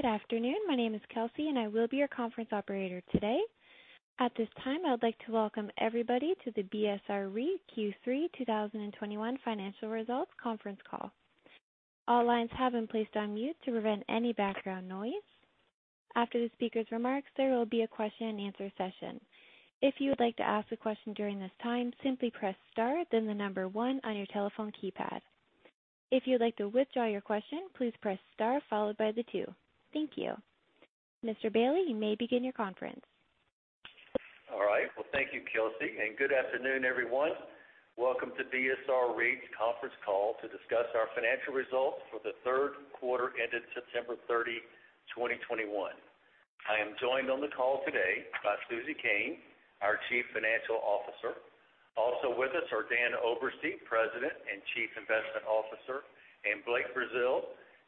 Good afternoon. My name is Kelsey, and I will be your conference operator today. At this time, I would like to welcome everybody to the BSR REIT Q3 2021 Financial Results Conference Call. All lines have been placed on mute to prevent any background noise. After the speaker's remarks, there will be a question-and-answer session. If you would like to ask a question during this time, simply press star then the number one on your telephone keypad. If you'd like to withdraw your question, please press star followed by the two. Thank you. Mr. Bailey, you may begin your conference. All right. Well, thank you, Kelsey, and good afternoon, everyone. Welcome to BSR REIT's conference call to discuss our financial results for the third quarter ended September 30th, 2021. I am joined on the call today by Susan Koehn, our Chief Financial Officer. Also with us are Dan Oberste, President and Chief Investment Officer, and Blake Brazeal,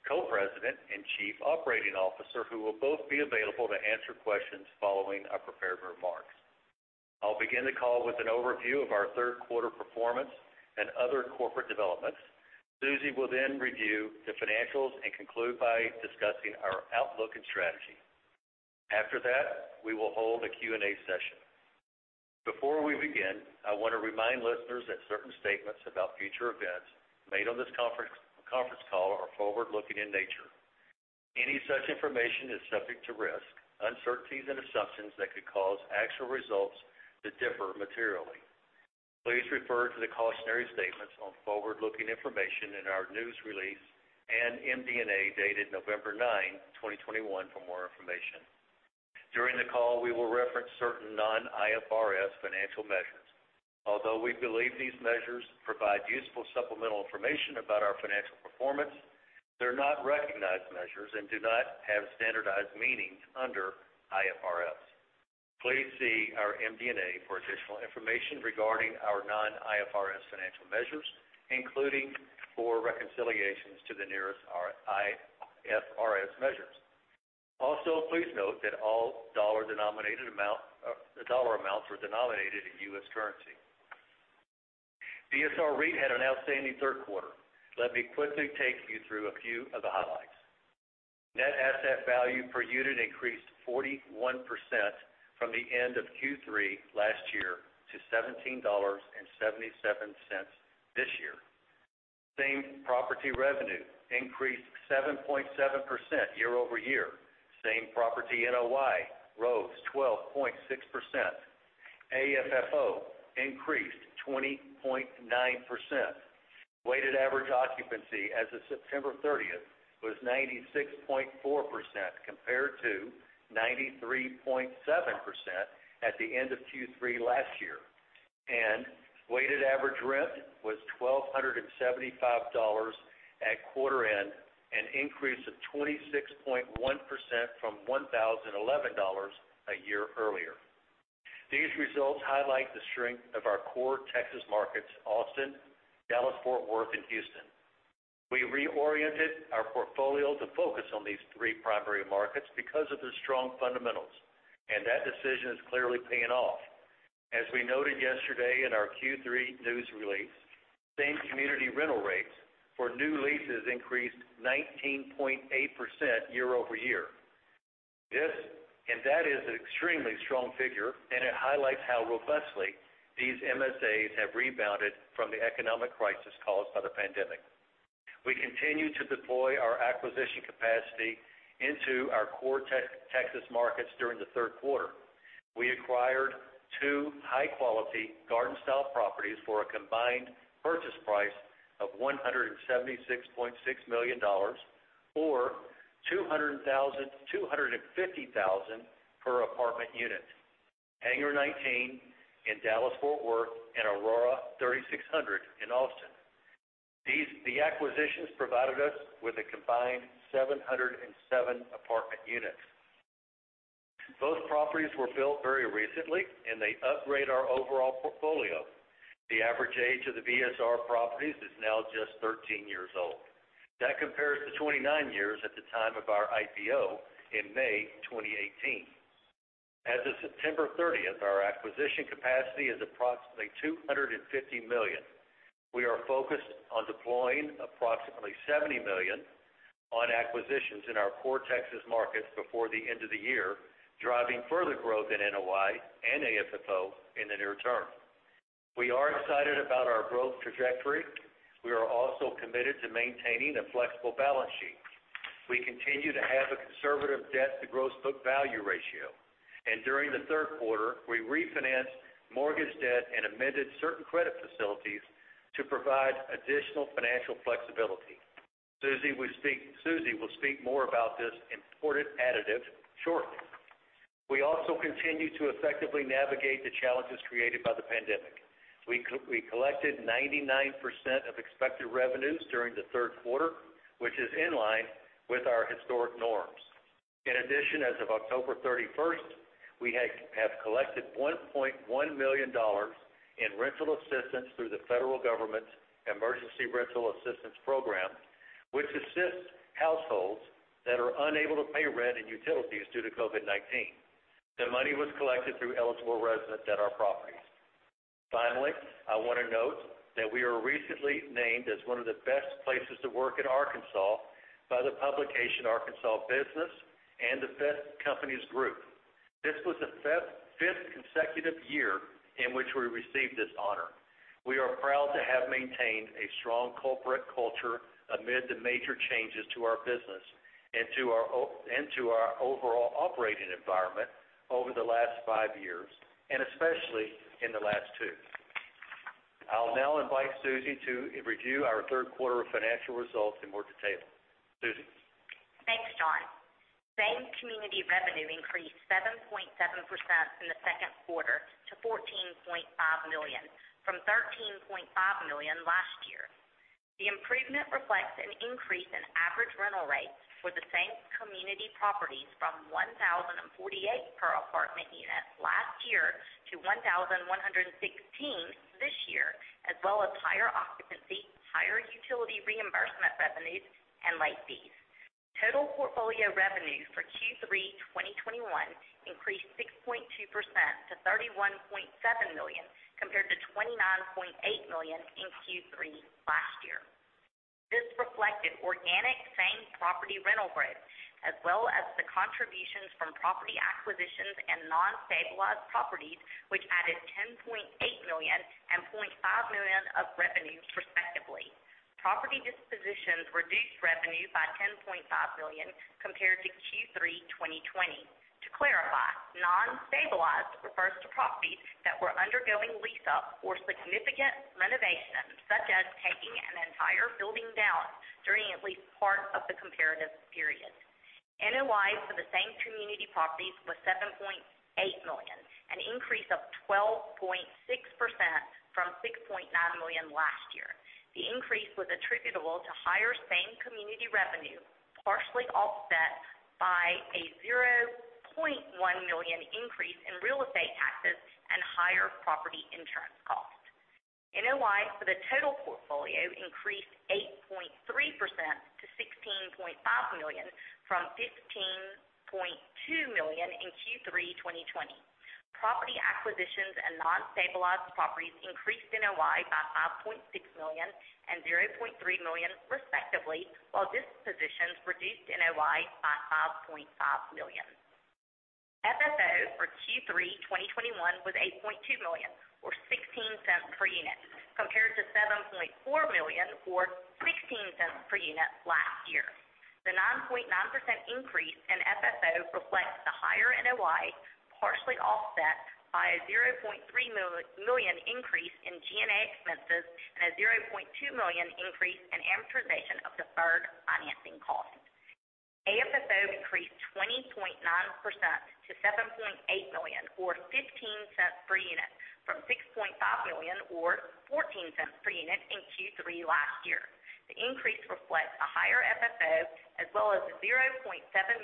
Co-President and Chief Operating Officer, who will both be available to answer questions following our prepared remarks. I'll begin the call with an overview of our third quarter performance and other corporate developments. Susan Koehn will then review the financials and conclude by discussing our outlook and strategy. After that, we will hold a Q&A session. Before we begin, I want to remind listeners that certain statements about future events made on this conference call are forward-looking in nature. Any such information is subject to risk, uncertainties, and assumptions that could cause actual results to differ materially. Please refer to the cautionary statements on forward-looking information in our news release and MD&A dated November 9th, 2021 for more information. During the call, we will reference certain non-IFRS financial measures. Although we believe these measures provide useful supplemental information about our financial performance, they're not recognized measures and do not have standardized meanings under IFRS. Please see our MD&A for additional information regarding our non-IFRS financial measures, including for reconciliations to the nearest IFRS measures. Also, please note that Dollar amounts were denominated in US currency. BSR REIT had an outstanding third quarter. Let me quickly take you through a few of the highlights. Net asset value per unit increased 41% from the end of Q3 last year to $17.77 this year. Same property revenue increased 7.7% YoY. Same property NOI rose 12.6%. AFFO increased 20.9%. Weighted average occupancy as of September 30th was 96.4% compared to 93.7% at the end of Q3 last year. Weighted average rent was $1,275 at quarter end, an increase of 26.1% from $1,011 a year earlier. These results highlight the strength of our core Texas markets, Austin, Dallas-Fort Worth, and Houston. We reoriented our portfolio to focus on these three primary markets because of their strong fundamentals, and that decision is clearly paying off. As we noted yesterday in our Q3 news release, same community rental rates for new leases increased 19.8% YoY. That is an extremely strong figure, and it highlights how robustly these MSAs have rebounded from the economic crisis caused by the pandemic. We continue to deploy our acquisition capacity into our core Texas markets during the third quarter. We acquired two high-quality garden-style properties for a combined purchase price of $176.6 million, or $250,000 per apartment unit. Hangar 19 in Dallas-Fort Worth and Aura 36Hundred in Austin. The acquisitions provided us with a combined 707 apartment units. Both properties were built very recently, and they upgrade our overall portfolio. The average age of the BSR properties is now just 13 years old. That compares to 29 years at the time of our IPO in May 2018. As of September 30th, our acquisition capacity is approximately $250 million. We are focused on deploying approximately $70 million on acquisitions in our core Texas markets before the end of the year, driving further growth in NOI and AFFO in the near term. We are excited about our growth trajectory. We are also committed to maintaining a flexible balance sheet. We continue to have a conservative debt-to-gross book value ratio. During the third quarter, we refinanced mortgage debt and amended certain credit facilities to provide additional financial flexibility. Susie will speak more about this important initiative shortly. We also continue to effectively navigate the challenges created by the pandemic. We collected 99% of expected revenues during the third quarter, which is in line with our historic norms. In addition, as of October 31st, we have collected $1.1 million in rental assistance through the federal government's Emergency Rental Assistance program, which assists households that are unable to pay rent and utilities due to COVID-19. The money was collected through eligible residents at our properties. Finally, I wanna note that we were recently named as one of the best places to work in Arkansas by the publication Arkansas Business and the Best Companies Group. This was the fifth consecutive year in which we received this honor. We are proud to have maintained a strong corporate culture amid the major changes to our business and to our overall operating environment over the last five years, and especially in the last two. I'll now invite Susie to review our third quarter financial results in more detail. Susie? Thanks, John. Same community revenue increased 7.7% in the second quarter to $14.5 million from $13.5 million last year. The improvement reflects an increase in average rental rates for the same community properties from 1,048 per apartment unit last year to 1,116 this year, as well as higher occupancy, higher utility reimbursement revenues and late fees. Total portfolio revenue for Q3 2021 increased 6.2% to $31.7 million, compared to $29.8 million in Q3 last year. This reflected organic same-property rental growth, as well as the contributions from property acquisitions and non-stabilized properties, which added $10.8 million and $0.5 million of revenues respectively. Property dispositions reduced revenue by $10.5 million compared to Q3 2020. To clarify, non-stabilized refers to properties that were undergoing lease-up or significant renovations, such as taking an entire building down during at least part of the comparative period. NOI for the same community properties was $7.8 million, an increase of 12.6% from $6.9 million last year. The increase was attributable to higher same community revenue, partially offset by a $0.1 million increase in real estate taxes and higher property insurance costs. NOI for the total portfolio increased 8.3% to $16.5 million from $15.2 million in Q3 2020. Property acquisitions and non-stabilized properties increased NOI by $5.6 million and $0.3 million respectively, while dispositions reduced NOI by $5.5 million. FFO for Q3 2021 was $8.2 million or $0.16 per unit, compared to $7.4 million or $0.16 per unit last year. The 9.9% increase in FFO reflects the higher NOI, partially offset by a $0.3 million increase in G&A expenses and a $0.2 million increase in amortization of deferred financing costs. AFFO increased 20.9% to $7.8 million or $0.15 per unit from $6.5 million or $0.14 per unit in Q3 last year. The increase reflects a higher FFO as well as the $0.7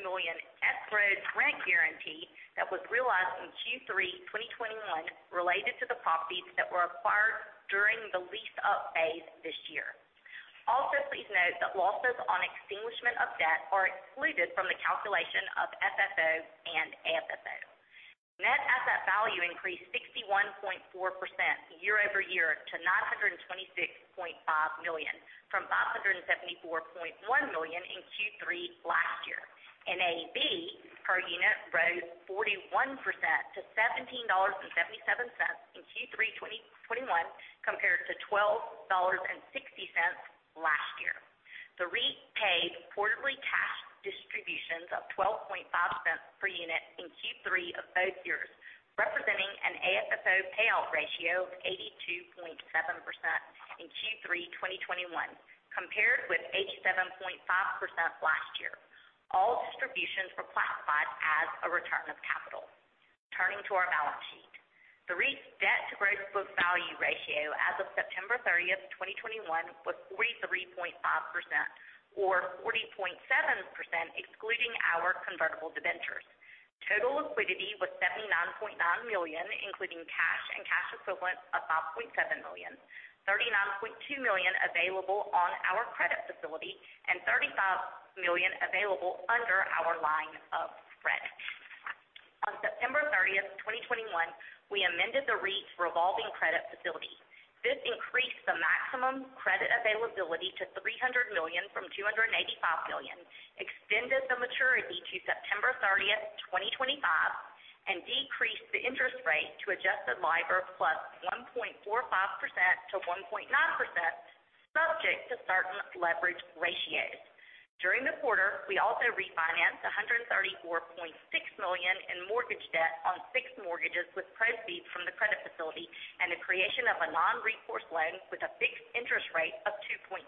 million escrowed rent guarantee that was realized in Q3 2021 related to the properties that were acquired during the lease-up phase this year. Also, please note that losses on extinguishment of debt are excluded from the calculation of FFO and AFFO. Net asset value increased 61.4% YoY to $926.5 million from $574.1 million in Q3 last year. NAV per unit rose 41% to $17.77 in Q3 2021, compared to $12.60 last year. The REIT paid quarterly cash distributions of $0.125 per unit in Q3 of both years, representing an AFFO payout ratio of 82.7% in Q3 2021, compared with 87.5% last year. All distributions were classified as a return of capital. Turning to our balance sheet. The REIT's debt to gross book value ratio as of September 30th, 2021, was 43.5% or 40.7% excluding our convertible debentures. Total liquidity was $79.9 million, including cash and cash equivalents of $5.7 million, $39.2 million available on our credit facility and $35 million available under our line of credit. On September 30th, 2021, we amended the REIT's revolving credit facility. This increased the maximum credit availability to $300 million from $285 million, extended the maturity to September 30th, 2025, and decreased the interest rate to adjusted LIBOR plus 1.45%-1.9%, subject to certain leverage ratios. During the quarter, we also refinanced $134.6 million in mortgage debt on six mortgages with proceeds from the credit facility and the creation of a non-recourse loan with a fixed interest rate of 2.7%.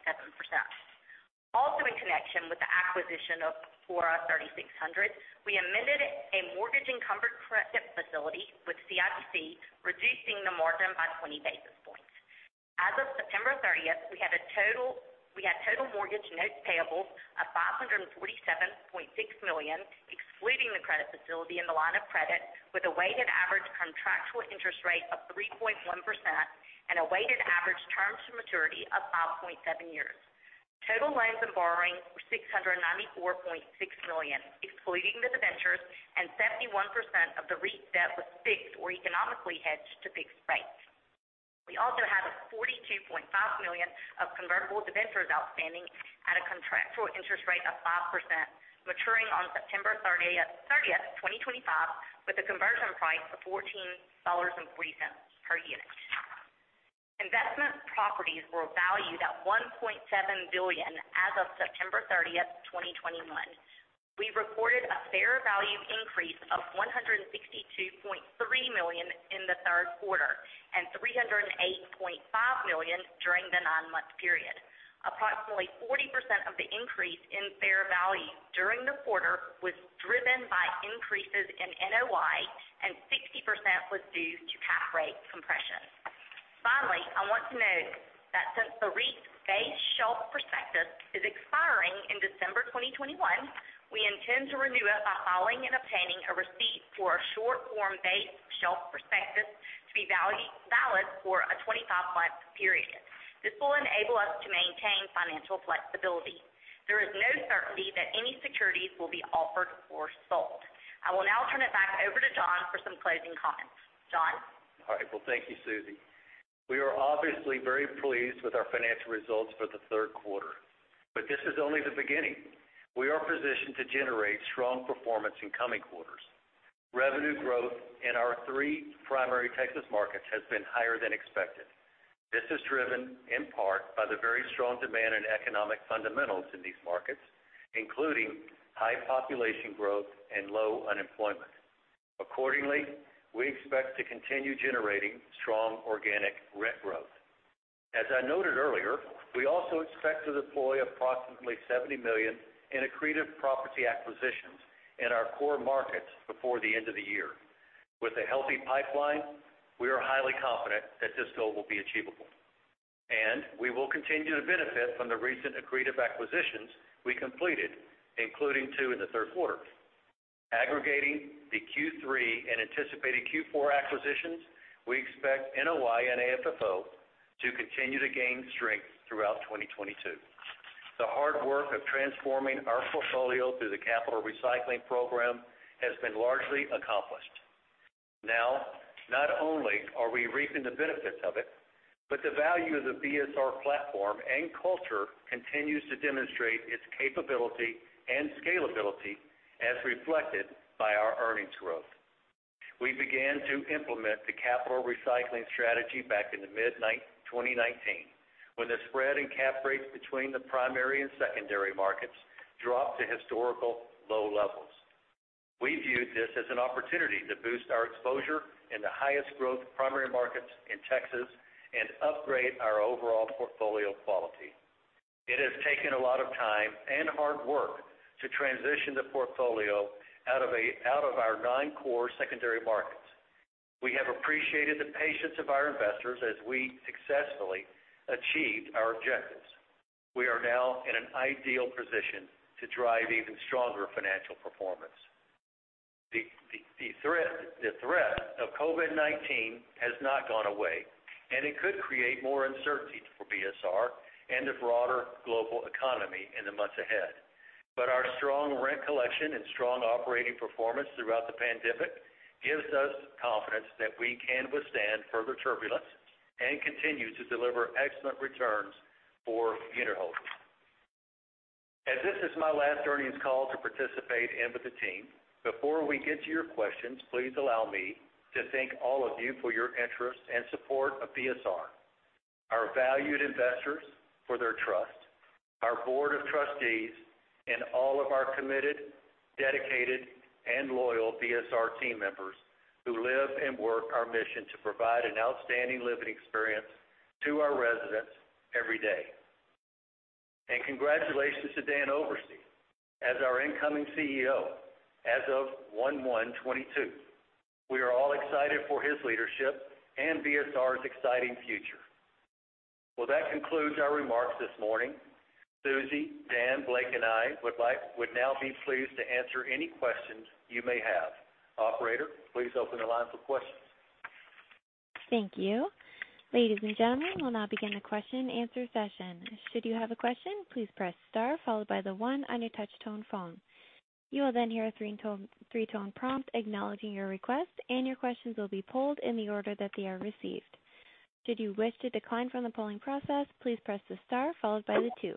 In connection with the acquisition of Aura 36Hundred, we amended a mortgage-encumbered credit facility with CIBC, reducing the margin by 20 basis points. As of September 30th, we had total mortgage notes payable of $547.6 million, excluding the credit facility and the line of credit, with a weighted average contractual interest rate of 3.1% and a weighted average terms to maturity of 5.7 years. Total loans and borrowings were $694.6 million, excluding the debentures, and 71% of the REIT debt was fixed or economically hedged to fixed rates. We also have $42.5 million of convertible debentures outstanding at a contractual interest rate of 5%, maturing on September 30th, 2025, with a conversion price of $14.03 per unit. Investment properties were valued at $1.7 billion as of September 30th, 2021. We reported a fair value increase of $162.3 million in the third quarter, and $308.5 million during the nine-month period. Approximately 40% of the increase in fair value during the quarter was driven by increases in NOI, and 60% was due to cap rate compression. Finally, I want to note that since the REIT's base shelf prospectus is expiring in December 2021, we intend to renew it by filing and obtaining a receipt for a short form base shelf prospectus to be valid for a 25-month period. This will enable us to maintain financial flexibility. There is no certainty that any securities will be offered or sold. I will now turn it back over to John for some closing comments. John? All right. Well, thank you, Susie. We are obviously very pleased with our financial results for the third quarter. This is only the beginning. We are positioned to generate strong performance in coming quarters. Revenue growth in our three primary Texas markets has been higher than expected. This is driven in part by the very strong demand and economic fundamentals in these markets, including high population growth and low unemployment. Accordingly, we expect to continue generating strong organic rent growth. As I noted earlier, we also expect to deploy approximately $70 million in accretive property acquisitions in our core markets before the end of the year. With a healthy pipeline, we are highly confident that this goal will be achievable. We will continue to benefit from the recent accretive acquisitions we completed, including two in the third quarter. Aggregating the Q3 and anticipated Q4 acquisitions, we expect NOI and AFFO to continue to gain strength throughout 2022. The hard work of transforming our portfolio through the capital recycling program has been largely accomplished. Now, not only are we reaping the benefits of it, but the value of the BSR platform and culture continues to demonstrate its capability and scalability as reflected by our earnings growth. We began to implement the capital recycling strategy back in 2019, when the spread in cap rates between the primary and secondary markets dropped to historically low levels. We viewed this as an opportunity to boost our exposure in the highest growth primary markets in Texas and upgrade our overall portfolio quality. It has taken a lot of time and hard work to transition the portfolio out of our non-core secondary markets. We have appreciated the patience of our investors as we successfully achieved our objectives. We are now in an ideal position to drive even stronger financial performance. The threat of COVID-19 has not gone away, and it could create more uncertainty for BSR and the broader global economy in the months ahead. Our strong rent collection and strong operating performance throughout the pandemic gives us confidence that we can withstand further turbulence and continue to deliver excellent returns for unitholders. As this is my last earnings call to participate in with the team, before we get to your questions, please allow me to thank all of you for your interest and support of BSR. Our valued investors for their trust, our board of trustees, and all of our committed, dedicated, and loyal BSR team members who live and work our mission to provide an outstanding living experience to our residents every day. Congratulations to Dan Oberste as our incoming CEO as of January 1st, 2022. We are all excited for his leadership and BSR's exciting future. Well, that concludes our remarks this morning. Susie, Dan, Blake, and I would now be pleased to answer any questions you may have. Operator, please open the lines for questions. Thank you. Ladies and gentlemen, we'll now begin the question-and-answer session. Should you have a question, please press star followed by the one on your touch-tone phone. You will then hear a three-tone, three-tone prompt acknowledging your request, and your questions will be pooled in the order that they are received. Should you wish to decline from the polling process, please press the star followed by the two.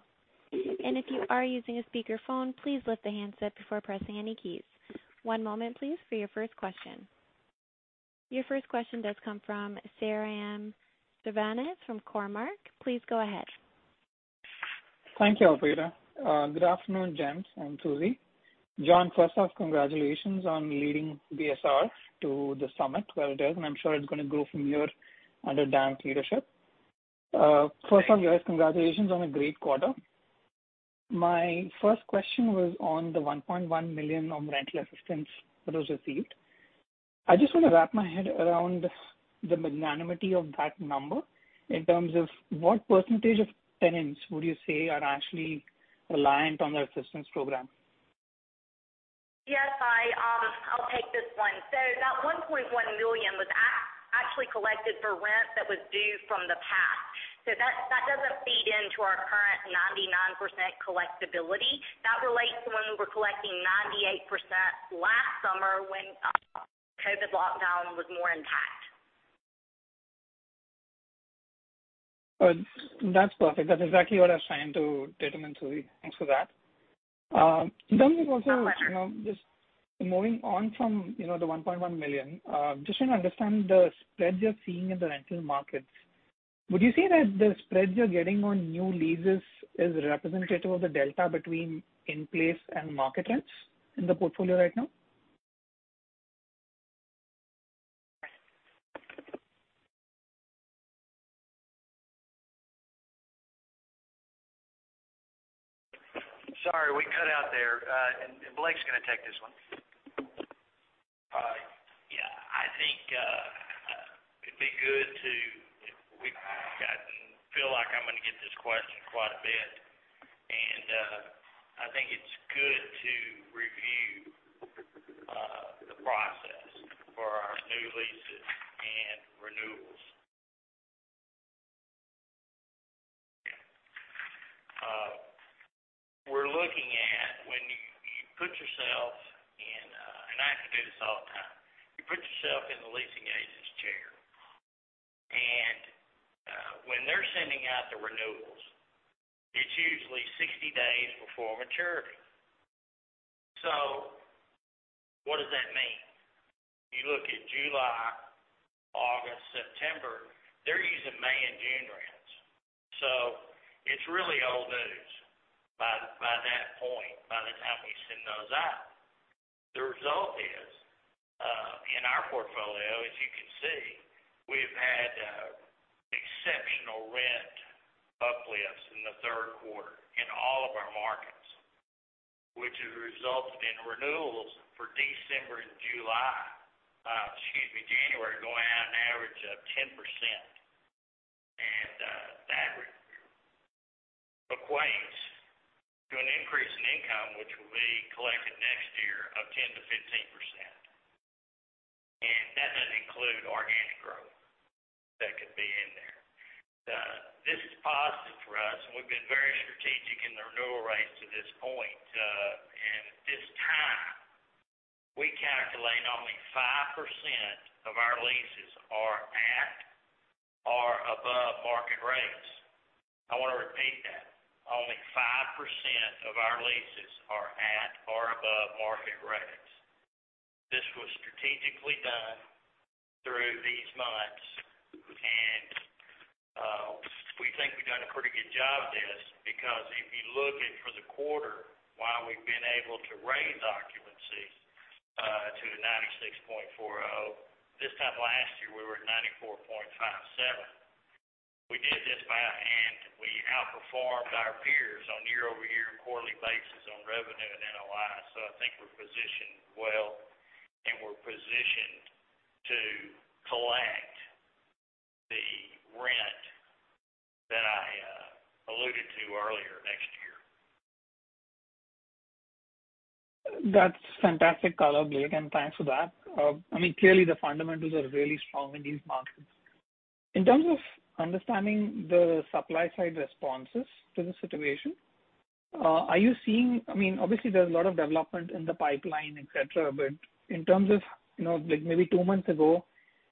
If you are using a speakerphone, please lift the handset before pressing any keys. One moment, please, for your first question. Your first question does come from Sairam Srinivas from Cormark. Please go ahead. Thank you, operator. Good afternoon, gents and Susie. John, first off, congratulations on leading BSR to the summit where it is, and I'm sure it's gonna grow from here under Dan's leadership. First off, guys, congratulations on a great quarter. My first question was on the $1.1 million on rental assistance that was received. I just want to wrap my head around the magnitude of that number in terms of what percentage of tenants would you say are actually reliant on the assistance program? Yes, I'll take this one. So that $1.1 million was actually collected for rent that was due from the past. That doesn't feed into our current 99% collectibility. That relates to when we were collecting 98% last summer when COVID lockdown was more intact. Good. That's perfect. That's exactly what I was trying to determine through you. Thanks for that. Then also, you know, just moving on from, you know, the $1.1 million, just trying to understand the spreads you're seeing in the rental markets. Would you say that the spreads you're getting on new leases is representative of the delta between in-place and market rents in the portfolio right now? Sorry, we cut out there. Blake's gonna take this one. I feel like I'm gonna get this question quite a bit, and I think it's good to review the process for our new leases and renewals. We're looking at when you put yourself in the leasing agent's chair. I have to do this all the time. When they're sending out the renewals, it's usually 60 days before maturity. What does that mean? You look at July, August, September, they're using May and June rents. It's really old news by that point, by the time we send those out. The result is in our portfolio, as you can see, we've had exceptional rent uplifts in the third quarter in all of our markets, which has resulted in renewals for January going at an average of 10%. That equates to an increase in income, which will be collected next year of 10%-15%. That doesn't include organic growth that could be in there. This is positive for us, and we've been very strategic in the renewal rates to this point. At this time, we calculate only 5% of our leases are at or above market rates. I wanna repeat that. Only 5% of our leases are at or above market rates. This was strategically done through these months, and we think we've done a pretty good job of this because if you look at, for the quarter, why we've been able to raise occupancy to the 96.40%. This time last year, we were at 94.57%. We did this by hand. We outperformed our peers on YoY and quarterly basis on revenue and NOI. I think we're positioned well, and we're positioned to collect the rent that I alluded to earlier next year. That's fantastic color, Blake, and thanks for that. I mean, clearly the fundamentals are really strong in these markets. In terms of understanding the supply side responses to the situation, are you seeing I mean, obviously there's a lot of development in the pipeline, et cetera. In terms of, you know, like maybe two months ago,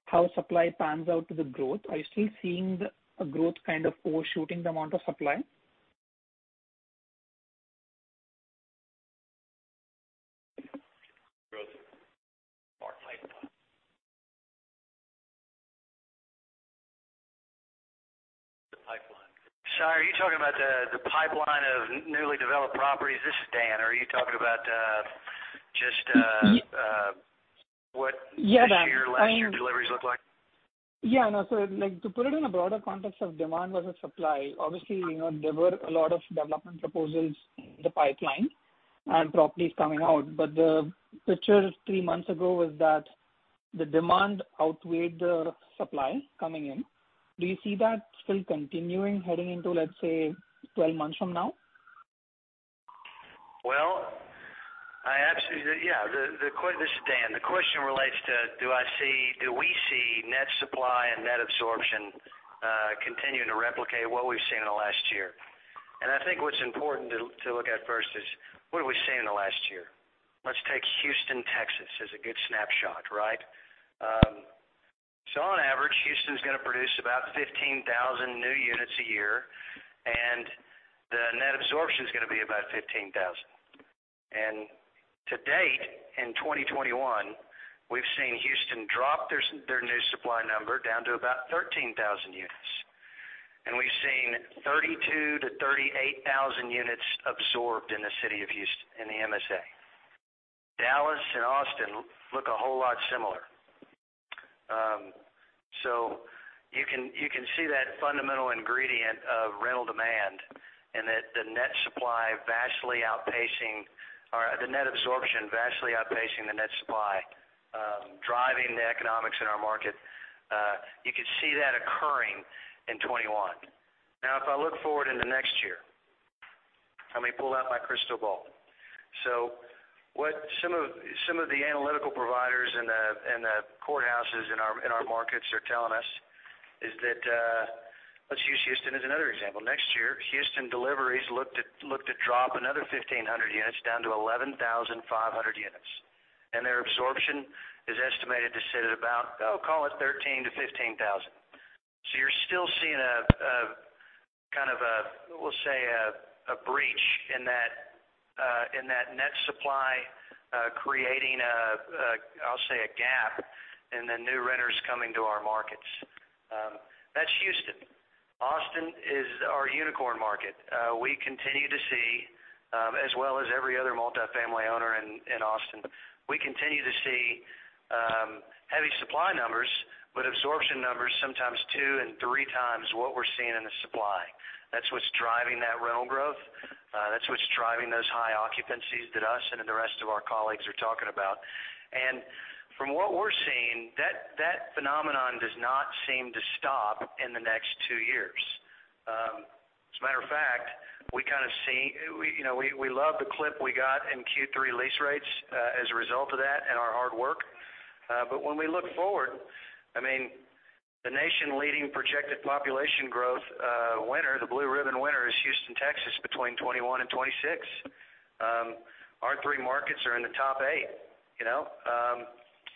how supply pans out to the growth, are you still seeing the growth kind of overshooting the amount of supply? Growth or pipeline? The pipeline. Sai, are you talking about the pipeline of newly developed properties? This is Dan. Are you talking about just Yeah. what this year? Yeah, Dan. I mean. Last year deliveries look like? Yeah. No. Like to put it in a broader context of demand versus supply, obviously, you know, there were a lot of development proposals in the pipeline and properties coming out, but the picture three months ago was that the demand outweighed the supply coming in. Do you see that still continuing heading into, let's say, 12 months from now? Well, I actually. Yeah. This is Dan. The question relates to, do we see net supply and net absorption continuing to replicate what we've seen in the last year? I think what's important to look at first is what have we seen in the last year. Let's take Houston, Texas, as a good snapshot, right? On average, Houston's gonna produce about 15,000 new units a year, and the net absorption is gonna be about 15,000. To date, in 2021, we've seen Houston drop their new supply number down to about 13,000 units. We've seen 32,000-38,000 units absorbed in the city of Houston, in the MSA. Dallas and Austin look a whole lot similar. You can see that fundamental ingredient of rental demand and that the net absorption vastly outpacing the net supply, driving the economics in our market. You could see that occurring in 2021. Now, if I look forward into next year, let me pull out my crystal ball. What some of the analytical providers in the core markets are telling us is that, let's use Houston as another example. Next year, Houston deliveries look to drop another 1,500 units down to 11,500 units. Their absorption is estimated to sit at about, call it 13,000-15,000. You're still seeing a kind of breach in that net supply, creating a gap in the new renters coming to our markets. That's Houston. Austin is our unicorn market. We continue to see, as well as every other multifamily owner in Austin, heavy supply numbers, but absorption numbers sometimes two and three times what we're seeing in the supply. That's what's driving that rental growth, that's what's driving those high occupancies that us and the rest of our colleagues are talking about. From what we're seeing, that phenomenon does not seem to stop in the next two years. As a matter of fact, we kind of see. We, you know, we love the clip we got in Q3 lease rates as a result of that and our hard work. When we look forward, I mean, the nation-leading projected population growth, the Blue Ribbon winner is Houston, Texas, between 2021 and 2026. Our three markets are in the top eight, you know.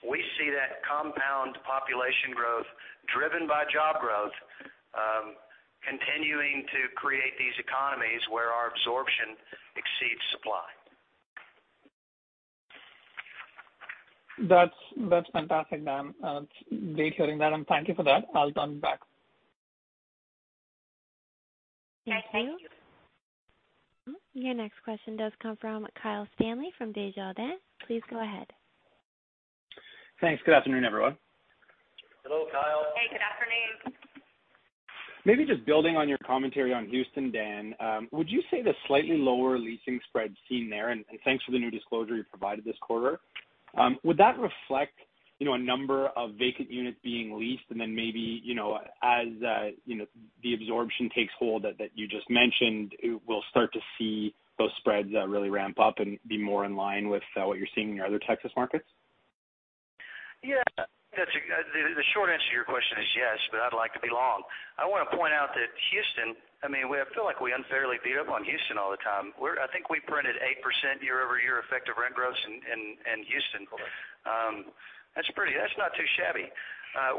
We see that compound population growth driven by job growth continuing to create these economies where our absorption exceeds supply. That's fantastic, Dan. It's great hearing that, and thank you for that. I'll turn it back. Thank you. Your next question does come from Kyle Stanley from Desjardins. Please go ahead. Thanks. Good afternoon, everyone. Hello, Kyle. Hey, good afternoon. Maybe just building on your commentary on Houston, Dan. Would you say the slightly lower leasing spreads seen there, and thanks for the new disclosure you provided this quarter. Would that reflect, you know, a number of vacant units being leased, and then maybe, you know, as you know, the absorption takes hold that you just mentioned, we'll start to see those spreads really ramp up and be more in line with what you're seeing in your other Texas markets? Yeah. The short answer to your question is yes, but I'd like to be long. I wanna point out that Houston, I mean, we feel like we unfairly beat up on Houston all the time. I think we printed 8% YoY effective rent growth in Houston. Okay. That's not too shabby.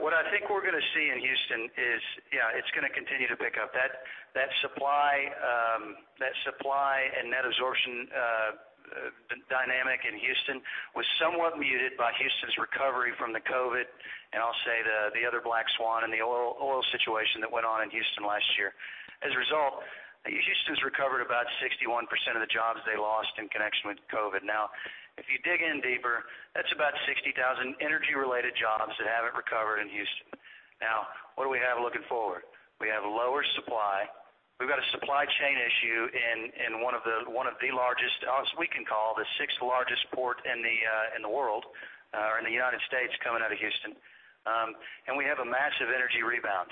What I think we're gonna see in Houston is, yeah, it's gonna continue to pick up. That supply and net absorption dynamic in Houston was somewhat muted by Houston's recovery from the COVID, and I'll say the other Black Swan and the oil situation that went on in Houston last year. As a result, Houston's recovered about 61% of the jobs they lost in connection with COVID. Now, if you dig in deeper, that's about 60,000 energy-related jobs that haven't recovered in Houston. Now, what do we have looking forward? We have lower supply. We've got a supply chain issue in one of the largest, as we can call, the sixth largest port in the world in the United States coming out of Houston. We have a massive energy rebound.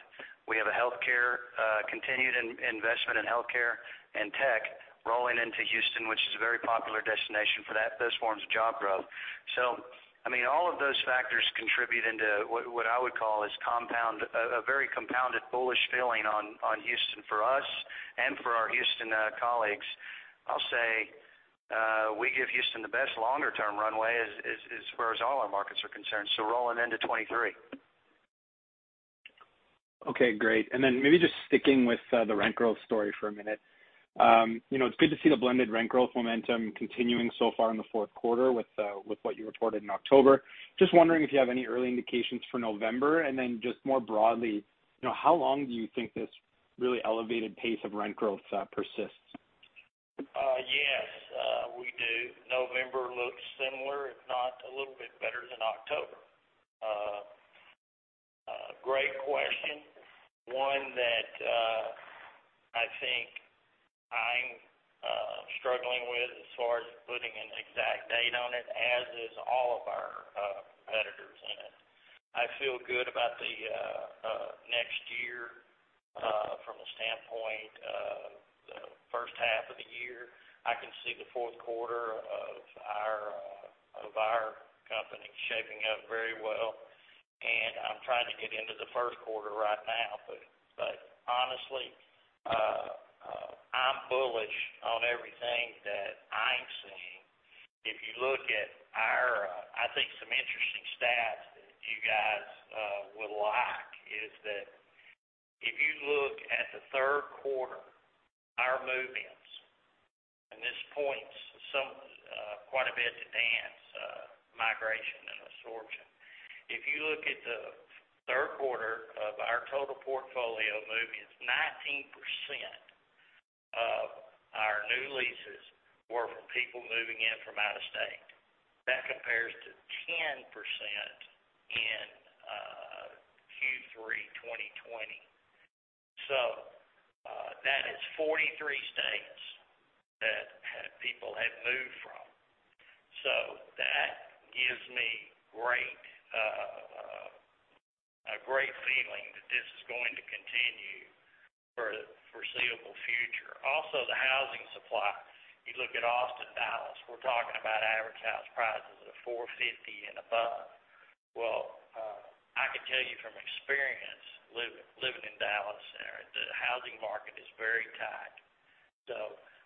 We have a healthcare, continued investment in healthcare and tech rolling into Houston, which is a very popular destination for those forms of job growth. I mean, all of those factors contribute into what I would call a very compounded bullish feeling on Houston for us and for our Houston colleagues. I'll say, we give Houston the best longer-term runway as far as all our markets are concerned, rolling into 2023. Okay, great. Then maybe just sticking with the rent growth story for a minute. You know, it's good to see the blended rent growth momentum continuing so far in the fourth quarter with what you reported in October. Just wondering if you have any early indications for November, and then just more broadly, you know, how long do you think this really elevated pace of rent growth persists? Yes, we do. November looks similar, if not a little bit better than October. Great question. One that, I think I'm struggling with as far as putting an exact date on it, as is all of our competitors in it. I feel good about the next year from a standpoint of the first half of the year. I can see the fourth quarter of our company shaping up very well, and I'm trying to get into the first quarter right now. Honestly, I'm bullish on everything that I'm seeing. If you look at our, I think some interesting stats that you guys would like is that if you look at the third quarter, our movements, and this points some quite a bit to Dan's migration and absorption. If you look at the third quarter of our total portfolio movements, 19% of our new leases were from people moving in from out of state. That compares to 10%. 20. That is 43 states that people have moved from. That gives me a great feeling that this is going to continue for the foreseeable future. Also, the housing supply. You look at Austin, Dallas, we're talking about average house prices of $450 and above. I could tell you from experience living in Dallas, the housing market is very tight.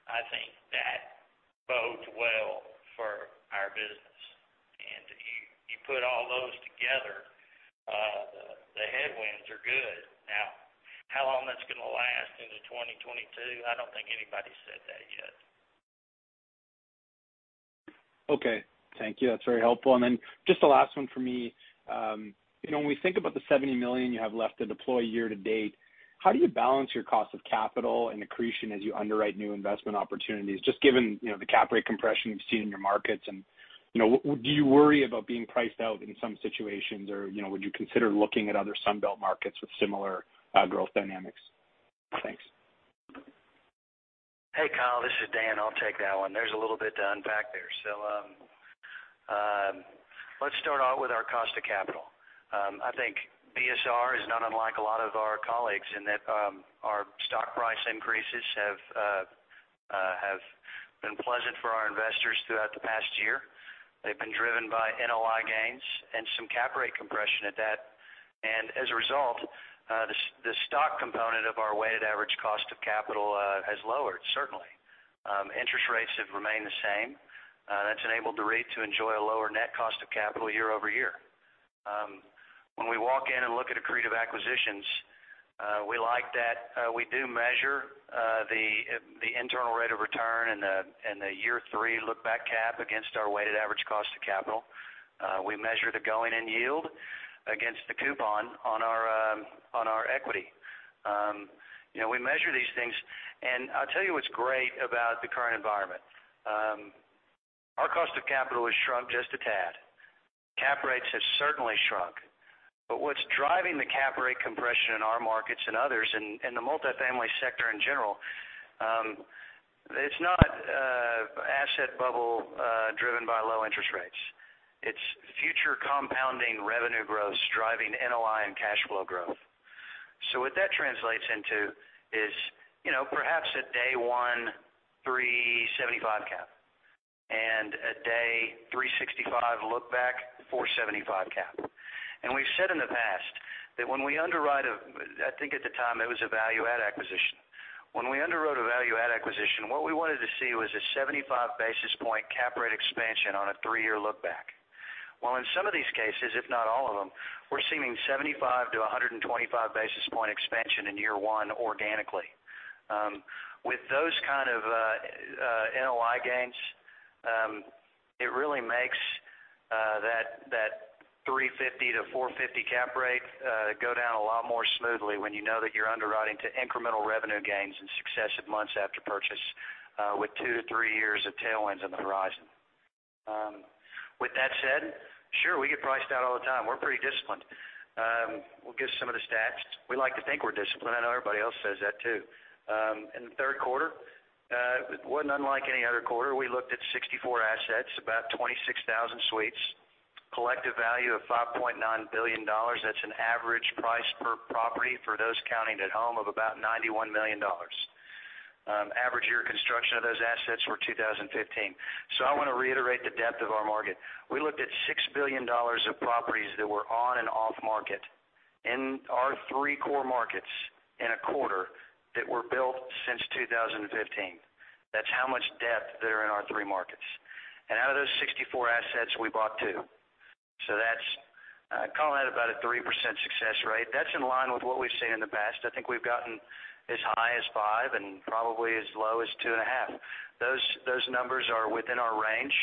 I think that bodes well for our business. You put all those together, the headwinds are good. Now, how long that's gonna last into 2022, I don't think anybody said that yet. Okay. Thank you. That's very helpful. Then just the last one for me. You know, when we think about the $70 million you have left to deploy year to date, how do you balance your cost of capital and accretion as you underwrite new investment opportunities? Just given, you know, the cap rate compression you've seen in your markets and, you know, do you worry about being priced out in some situations or, you know, would you consider looking at other Sun Belt markets with similar growth dynamics? Thanks. Hey, Kyle, this is Dan. I'll take that one. There's a little bit to unpack there. Let's start out with our cost of capital. I think BSR is not unlike a lot of our colleagues in that, our stock price increases have been pleasant for our investors throughout the past year. They've been driven by NOI gains and some cap rate compression at that. As a result, the stock component of our weighted average cost of capital has lowered, certainly. Interest rates have remained the same, that's enabled the REIT to enjoy a lower net cost of capital YoY. When we walk in and look at accretive acquisitions, we like that, we do measure the internal rate of return and the year three look-back cap against our weighted average cost of capital. We measure the going-in yield against the coupon on our equity. You know, we measure these things, and I'll tell you what's great about the current environment. Our cost of capital has shrunk just a tad. Cap rates have certainly shrunk, but what's driving the cap rate compression in our markets and others in the multifamily sector in general, it's not asset bubble driven by low interest rates. It's future compounding revenue growth, driving NOI and cash flow growth. What that translates into is, you know, perhaps at day one, 3.75 cap, and at day 365 look back, 4.75 cap. We've said in the past that I think at the time it was a value-add acquisition. When we underwrote a value-add acquisition, what we wanted to see was a 75 basis point cap rate expansion on a three-year look back. Well, in some of these cases, if not all of them, we're seeing 75 basis points-125 basis point expansion in year one organically. With those kind of NOI gains, it really makes that 3.50-4.50 cap rate go down a lot more smoothly when you know that you're underwriting to incremental revenue gains in successive months after purchase, with two to three years of tailwinds on the horizon. With that said, sure, we get priced out all the time. We're pretty disciplined. We'll give some of the stats. We like to think we're disciplined. I know everybody else says that too. In the third quarter, it wasn't unlike any other quarter. We looked at 64 assets, about 26,000 suites, collective value of $5.9 billion. That's an average price per property for those counting at home of about $91 million. Average year construction of those assets were 2015. I wanna reiterate the depth of our market. We looked at $6 billion of properties that were on and off market in our three core markets in a quarter that were built since 2015. That's how much depth there are in our three markets. Out of those 64 assets, we bought two. That's kind of at about a 3% success rate. That's in line with what we've seen in the past. I think we've gotten as high as 5% and probably as low as 2.5%. Those numbers are within our range.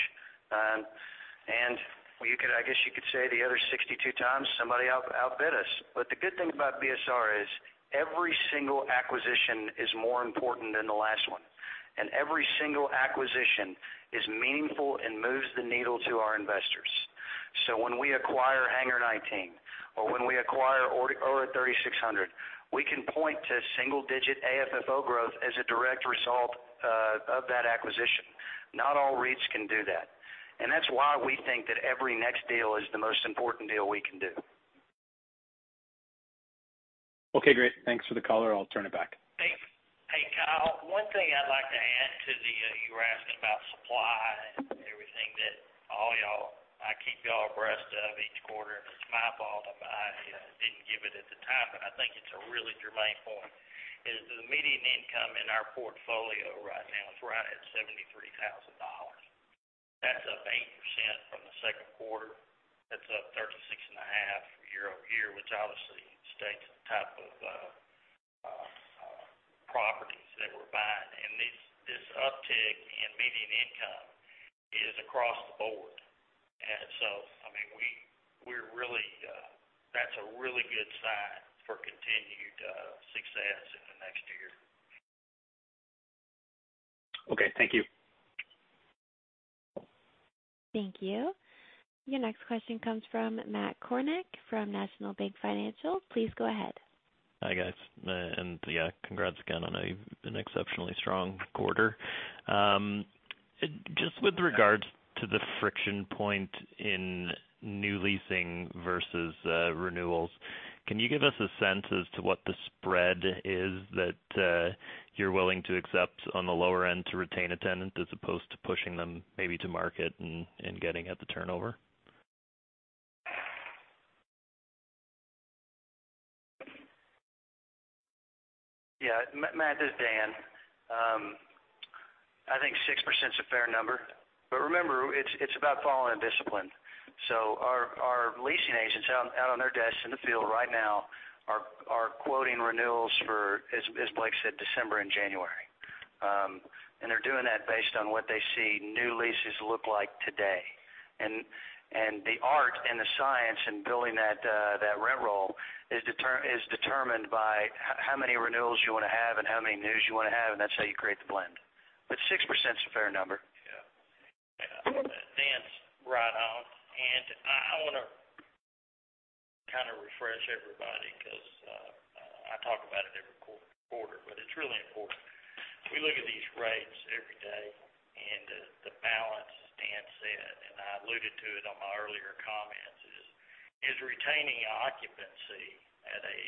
You could, I guess you could say the other 62x somebody outbid us. The good thing about BSR is every single acquisition is more important than the last one, and every single acquisition is meaningful and moves the needle to our investors. When we acquire Hangar 19 or when we acquire Aura 36Hundred, we can point to single-digit AFFO growth as a direct result of that acquisition. Not all REITs can do that, and that's why we think that every next deal is the most important deal we can do. Okay, great. Thanks for the color. I'll turn it back. Hey, hey Kyle. One thing I'd like to add to the you were asking about supply and everything that all y'all. I keep y'all abreast of each quarter, and it's my fault if I didn't give it at the time, but I think it's a really germane point, is the median income in our portfolio right now is right at $73,000. That's up 8% from the second quarter. That's up 36.5% YoY, which obviously states the type of properties that we're buying. This uptick in median income is across the board. I mean, we're really, that's a really good sign for continued success in the next year. Okay. Thank you. Thank you. Your next question comes from Matt Kornack from National Bank Financial. Please go ahead. Hi, guys. Yeah, congrats again on an exceptionally strong quarter. Just with regards to the friction point in new leasing versus renewals, can you give us a sense as to what the spread is that you're willing to accept on the lower end to retain a tenant as opposed to pushing them maybe to market and getting at the turnover? Yeah. Matt, this is Dan. I think 6% is a fair number, but remember, it's about following a discipline. Our leasing agents out on their desks in the field right now are quoting renewals for, as Blake said, December and January. They're doing that based on what they see new leases look like today. The art and the science in building that rent roll is determined by how many renewals you wanna have and how many news you wanna have, and that's how you create the blend. 6% is a fair number. Yeah. Dan's right on. I wanna kind of refresh everybody because I talk about it every quarter, but it's really important. We look at these rates every day, and the balance, as Dan said, and I alluded to it on my earlier comments, is retaining occupancy at a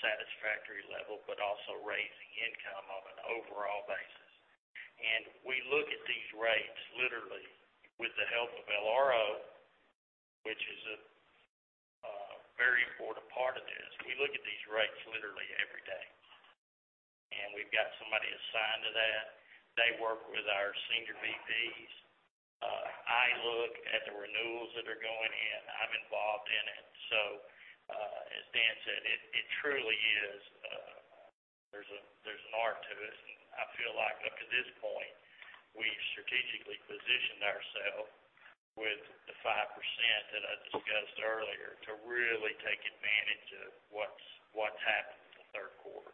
satisfactory level but also raising income on an overall basis. We look at these rates literally with the help of LRO, which is a very important part of this. We look at these rates literally every day. We've got somebody assigned to that. They work with our senior VPs. I look at the renewals that are going in. I'm involved in it. As Dan said, it truly is, there's an art to it. I feel like up to this point, we've strategically positioned ourselves with the 5% that I discussed earlier to really take advantage of what's happened in the third quarter.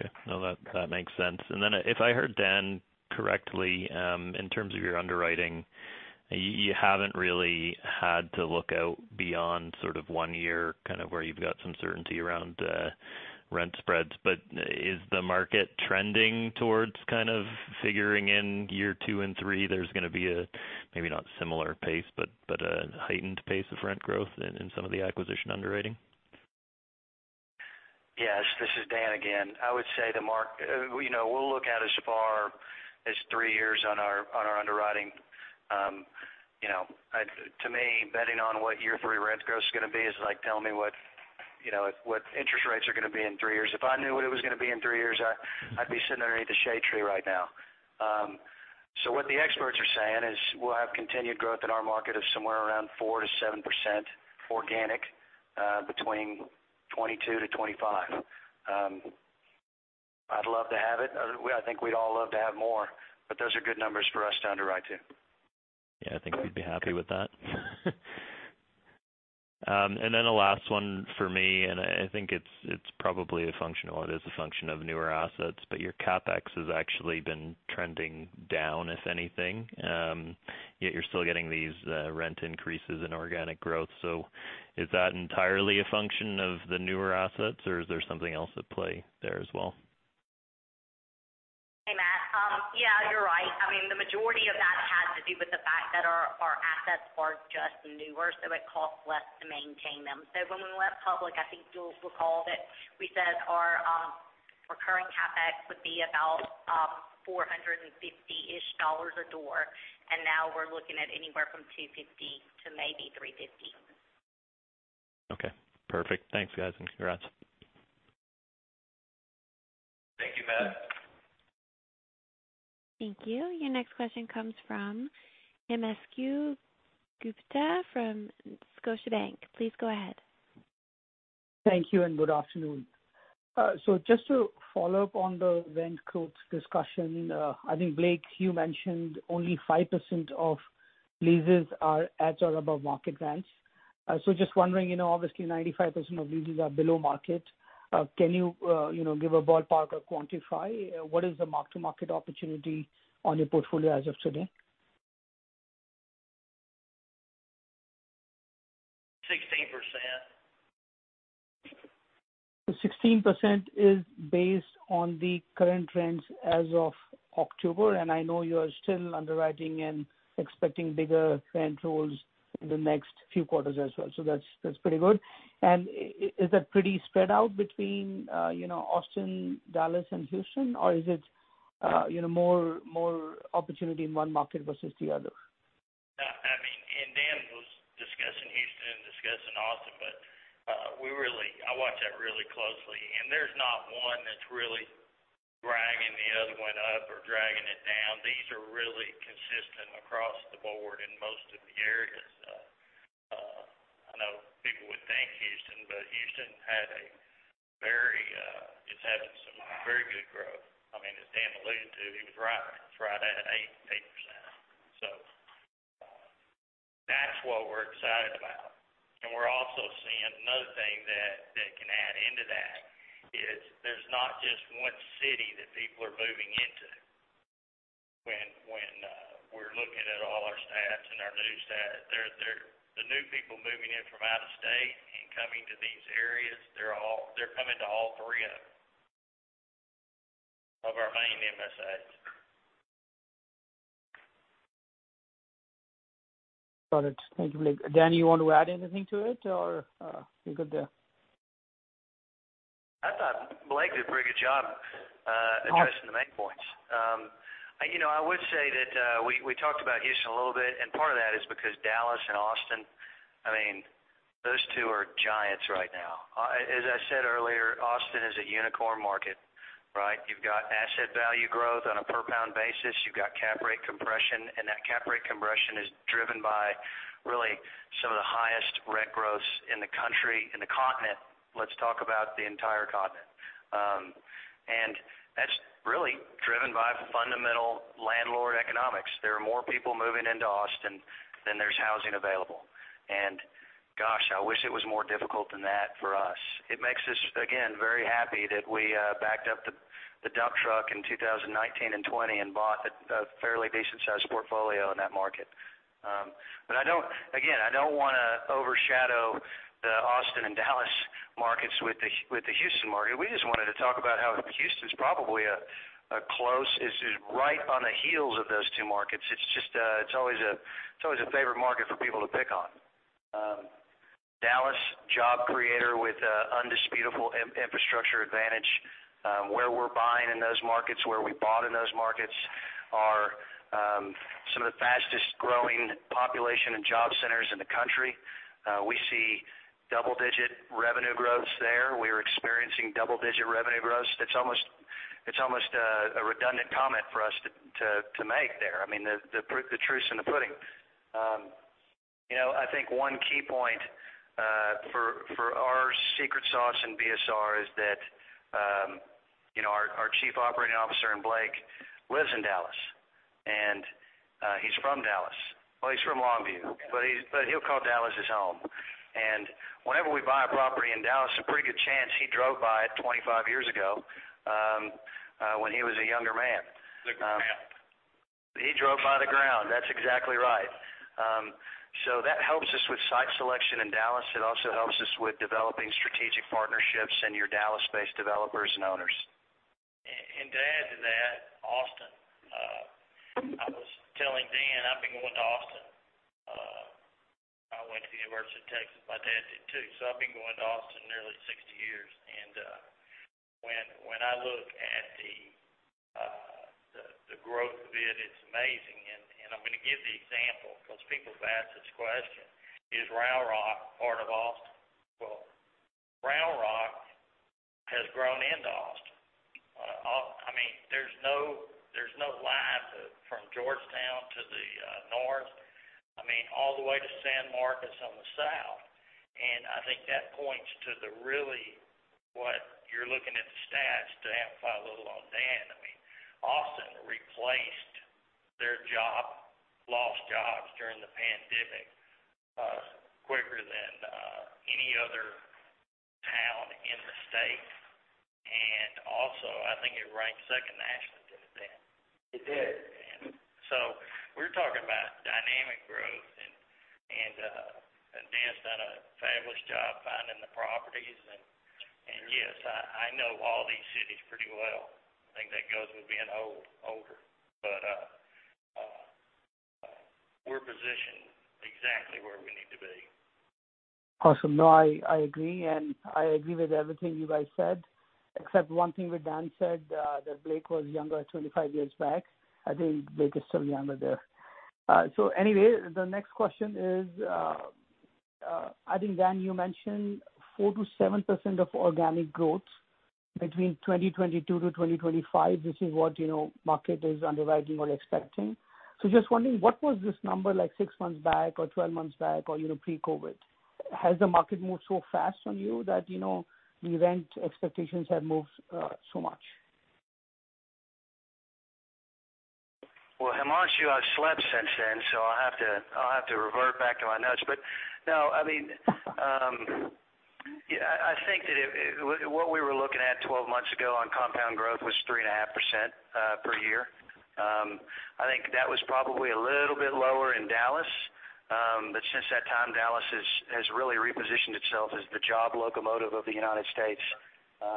Okay. No, that makes sense. If I heard Dan correctly, in terms of your underwriting, you haven't really had to look out beyond sort of one year, kind of where you've got some certainty around rent spreads. Is the market trending towards kind of figuring in year two and three, there's gonna be a maybe not similar pace, but a heightened pace of rent growth in some of the acquisition underwriting? Yes. This is Dan again. I would say. You know, we'll look out as far as three years on our underwriting. You know, to me, betting on what year three rent growth is gonna be is like telling me what, you know, what interest rates are gonna be in three years. If I knew what it was gonna be in three years, I'd be sitting underneath a shade tree right now. What the experts are saying is we'll have continued growth in our market of somewhere around 4%-7% organic between 2022-2025. I'd love to have it. I think we'd all love to have more, but those are good numbers for us to underwrite to. Yeah, I think we'd be happy with that. A last one for me, and I think it's probably a function or it is a function of newer assets, but your CapEx has actually been trending down, if anything, yet you're still getting these rent increases in organic growth. Is that entirely a function of the newer assets, or is there something else at play there as well? Hey, Matt. Yeah, you're right. I mean, the majority of that has to do with the fact that our assets are just newer, so it costs less to maintain them. When we went public, I think Julie will recall that we said our recurring CapEx would be about $450-ish a door, and now we're looking at anywhere from $250 to maybe $350. Okay. Perfect. Thanks, guys, and congrats. Thank you, Matt. Thank you. Your next question comes from Himanshu Gupta from Scotiabank. Please go ahead. Thank you and good afternoon. Just to follow up on the rent quotes discussion, I think, Blake, you mentioned only 5% of leases are at or above market rents. Just wondering, you know, obviously 95% of leases are below market. Can you know, give a ballpark or quantify what is the mark-to-market opportunity on your portfolio as of today? 16%. 16% is based on the current trends as of October, and I know you are still underwriting and expecting bigger rent rolls in the next few quarters as well. That's pretty good. Is that pretty spread out between, you know, Austin, Dallas, and Houston, or is it, you know, more opportunity in one market versus the other? I mean, Dan was discussing Houston and discussing Austin, but I watch that really closely, and there's not one that's really dragging the other one up or dragging it down. These are really consistent across the board in most of the areas. I know people would think Houston, but Houston is having some very good growth. I mean, as Dan alluded to, he was right. It's right at 8%. That's what we're excited about. We're also seeing another thing that can add into that is there's not just one city that people are moving into. When we're looking at all our stats and our new stat, there The new people moving in from out of state and coming to these areas, they're all coming to all three of them, of our main MSAs. Got it. Thank you, Blake. Dan, you want to add anything to it or, you're good there? I thought Blake did a pretty good job addressing the main points. You know, I would say that we talked about Houston a little bit, and part of that is because Dallas and Austin, I mean, those two are giants right now. As I said earlier, Austin is a unicorn market, right? You've got asset value growth on a per pound basis. You've got cap rate compression, and that cap rate compression is driven by really some of the highest rent growths in the country, in the continent. Let's talk about the entire continent. That's really driven by fundamental landlord economics. There are more people moving into Austin than there's housing available. Gosh, I wish it was more difficult than that for us. It makes us, again, very happy that we backed up the dump truck in 2019 and 2020 and bought a fairly decent-sized portfolio in that market. I don't wanna overshadow the Austin and Dallas markets with the Houston market. We just wanted to talk about how Houston's probably right on the heels of those two markets. It's just, it's always a favorite market for people to pick on. Dallas, job creator with an indisputable infrastructure advantage. Where we bought in those markets are some of the fastest-growing population and job centers in the country. We see double-digit revenue growth there. We're experiencing double-digit revenue growth. It's almost a redundant comment for us to make there. I mean, the proof is in the pudding. You know, I think one key point for our secret sauce in BSR is that, you know, our Chief Operating Officer and Blake lives in Dallas, and he's from Dallas. Well, he's from Longview, but he'll call Dallas his home. Whenever we buy a property in Dallas, a pretty good chance he drove by it 25 years ago, when he was a younger man. Looked at the map. He drove by the ground. That's exactly right. That helps us with site selection in Dallas. It also helps us with developing strategic partnerships and your Dallas-based developers and owners. To add to that, Austin, I was telling Dan, I've been going to Austin, I went to the University of Texas, my dad did too, so I've been going to Austin nearly 60 years. When I look at the growth of it's amazing. I'm gonna give the example because people have asked this question. Is Round Rock part of Austin? Well, Round Rock has grown into Austin. I mean, there's no line from Georgetown to the north, I mean, all the way to San Marcos on the south. I think that points to really what you're looking at the stats to amplify a little on Dan. I mean, Austin replaced the jobs lost during the pandemic quicker than any other town in the state. I think it ranked second nationally, didn't it, Dan? It did. We're talking about dynamic growth and Dan's done a fabulous job finding the properties. Yes, I know all these cities pretty well. I think that goes with being older. We're positioned exactly where we need to be. Awesome. No, I agree with everything you guys said, except one thing that Dan said that Blake was younger 25 years back. I think Blake is still younger there. Anyway, the next question is, I think, Dan, you mentioned 4%-7% of organic growth between 2022-2025. This is what, you know, market is underwriting or expecting. Just wondering, what was this number like six months back or 12 months back or, you know, pre-COVID? Has the market moved so fast on you that, you know, even the expectations have moved so much? Well, Himanshu, I've slept since then, so I'll have to revert back to my notes. No, I mean, yeah, I think that it. What we were looking at 12 months ago on compound growth was 3.5% per year. I think that was probably a little bit lower in Dallas. Since that time, Dallas has really repositioned itself as the job locomotive of the United States.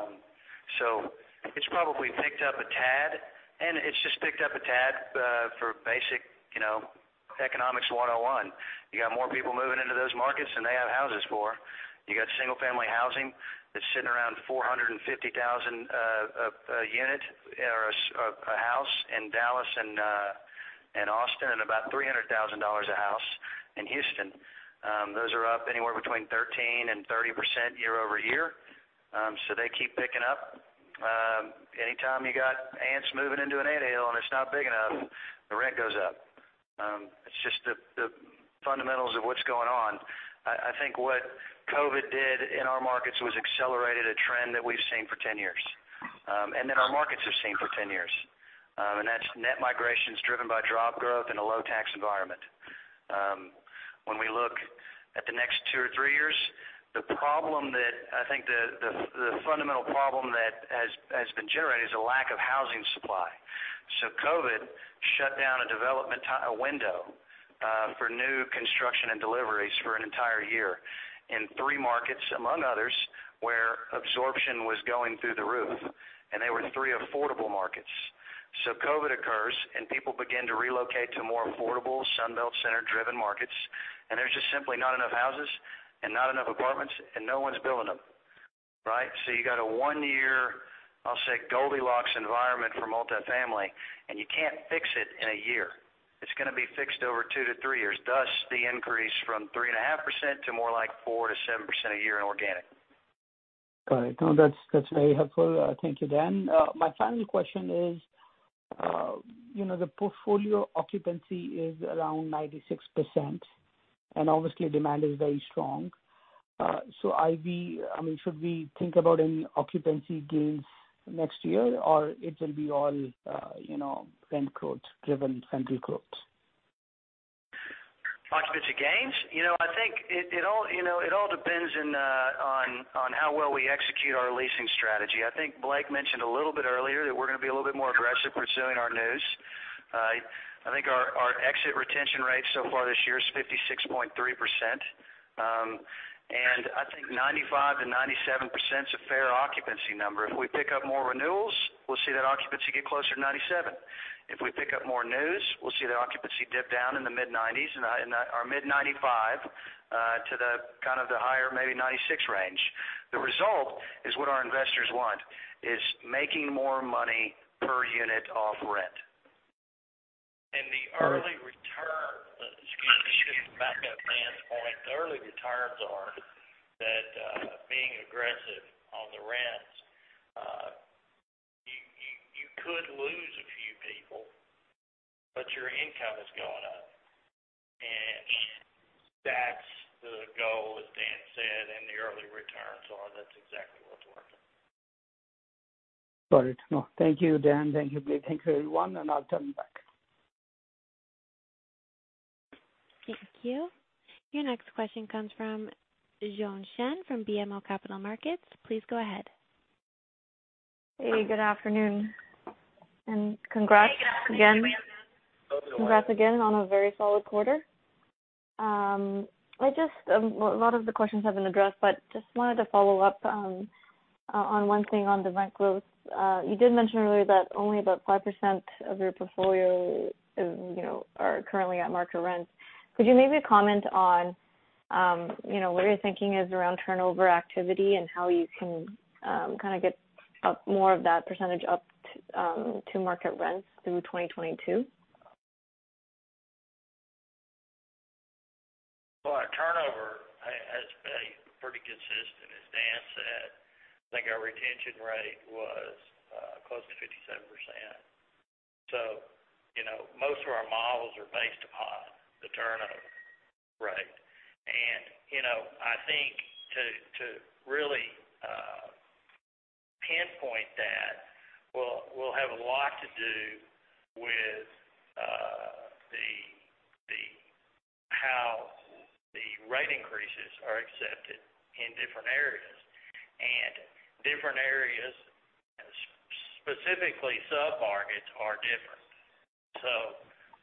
It's probably picked up a tad, and it's just picked up a tad for basic, you know, economics 101. You got more people moving into those markets than they have houses for. You got single-family housing that's sitting around $450,000 a unit or a house in Dallas and Austin, and about $300,000 a house in Houston. Those are up anywhere between 13%-30% YoY. They keep picking up. Anytime you got ants moving into an anthill and it's not big enough, the rent goes up. It's just the fundamentals of what's going on. I think what COVID did in our markets was accelerated a trend that we've seen for 10 years, and that our markets have seen for 10 years. That's net migration is driven by job growth in a low tax environment. When we look at the next two or three years, the problem that... I think the fundamental problem that has been generated is a lack of housing supply. COVID shut down a window for new construction and deliveries for an entire year in three markets, among others, where absorption was going through the roof, and they were three affordable markets. COVID occurs, and people begin to relocate to more affordable Sun Belt, center-driven markets, and there's just simply not enough houses and not enough apartments, and no one's building them, right? You got a one-year, I'll say Goldilocks environment for multifamily, and you can't fix it in a year. It's gonna be fixed over two to three years. Thus, the increase from 3.5% to more like 4%-7% a year in organic. Got it. No, that's very helpful. Thank you, Dan. My final question is, you know, the portfolio occupancy is around 96%, and obviously demand is very strong. I mean, should we think about any occupancy gains next year, or it will be all, you know, rent growth driven, rental growth? Occupancy gains? You know, I think it all, you know, depends on how well we execute our leasing strategy. I think Blake mentioned a little bit earlier that we're gonna be a little bit more aggressive pursuing our new leases. I think our existing retention rate so far this year is 56.3%. I think 95%-97% is a fair occupancy number. If we pick up more renewals, we'll see that occupancy get closer to 97%. If we pick up more new leases, we'll see the occupancy dip down in the mid-90s or mid-95 to the kind of higher maybe 96% range. The result is what our investors want, is making more money per unit off rent. Just to back up Dan's point, the early returns are that, being aggressive on the rents, you could lose a few people, but your income is going up. That's the goal, as Dan said, and the early returns are that's exactly what's working. Got it. No, thank you, Dan. Thank you, Blake. Thank you, everyone, and I'll turn you back. Thank you. Your next question comes from Joanne Chen from BMO Capital Markets. Please go ahead. Hey, good afternoon and congrats again. Congrats again on a very solid quarter. I just, well, a lot of the questions have been addressed, but just wanted to follow up on one thing on the rent growth. You did mention earlier that only about 5% of your portfolio is, you know, are currently at market rents. Could you maybe comment on, you know, what your thinking is around turnover activity and how you can kind of get up more of that percentage up to market rents through 2022? Well, our turnover has been pretty consistent, as Dan said. I think our retention rate was close to 57%. You know, most of our models are based upon the turnover rate. You know, I think to really pinpoint that will have a lot to do with how the rate increases are accepted in different areas. Different areas, specifically submarkets, are different.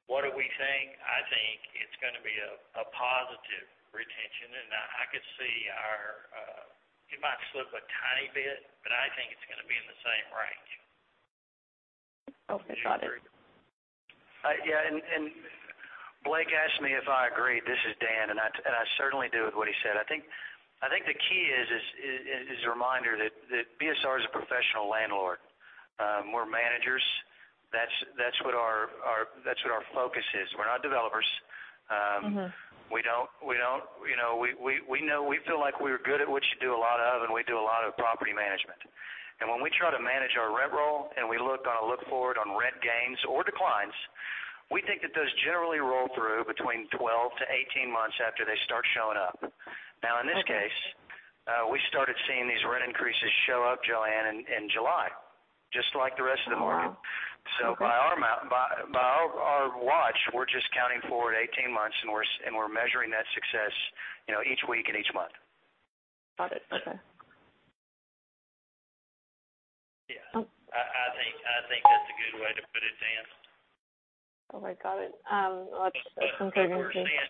What do we think? I think it's gonna be a positive retention, and I could see it might slip a tiny bit, but I think it's gonna be in the same range. Okay. Got it. Blake asked me if I agree. This is Dan, and I certainly do with what he said. I think the key is a reminder that BSR is a professional landlord. We're managers. That's what our focus is. We're not developers. Mm-hmm. You know, we feel like we're good at what we do a lot of, and we do a lot of property management. When we try to manage our rent roll, and we look on a look-forward on rent gains or declines, we think that those generally roll through between 12-18 months after they start showing up. Okay. Now, in this case, we started seeing these rent increases show up, Joanne, in July, just like the rest of the market. Wow. Okay. By our watch, we're just counting forward 18 months, and we're measuring that success, you know, each week and each month. Got it. Okay. Yeah. Oh. I think that's a good way to put it, Dan. All right. Got it. I would understand.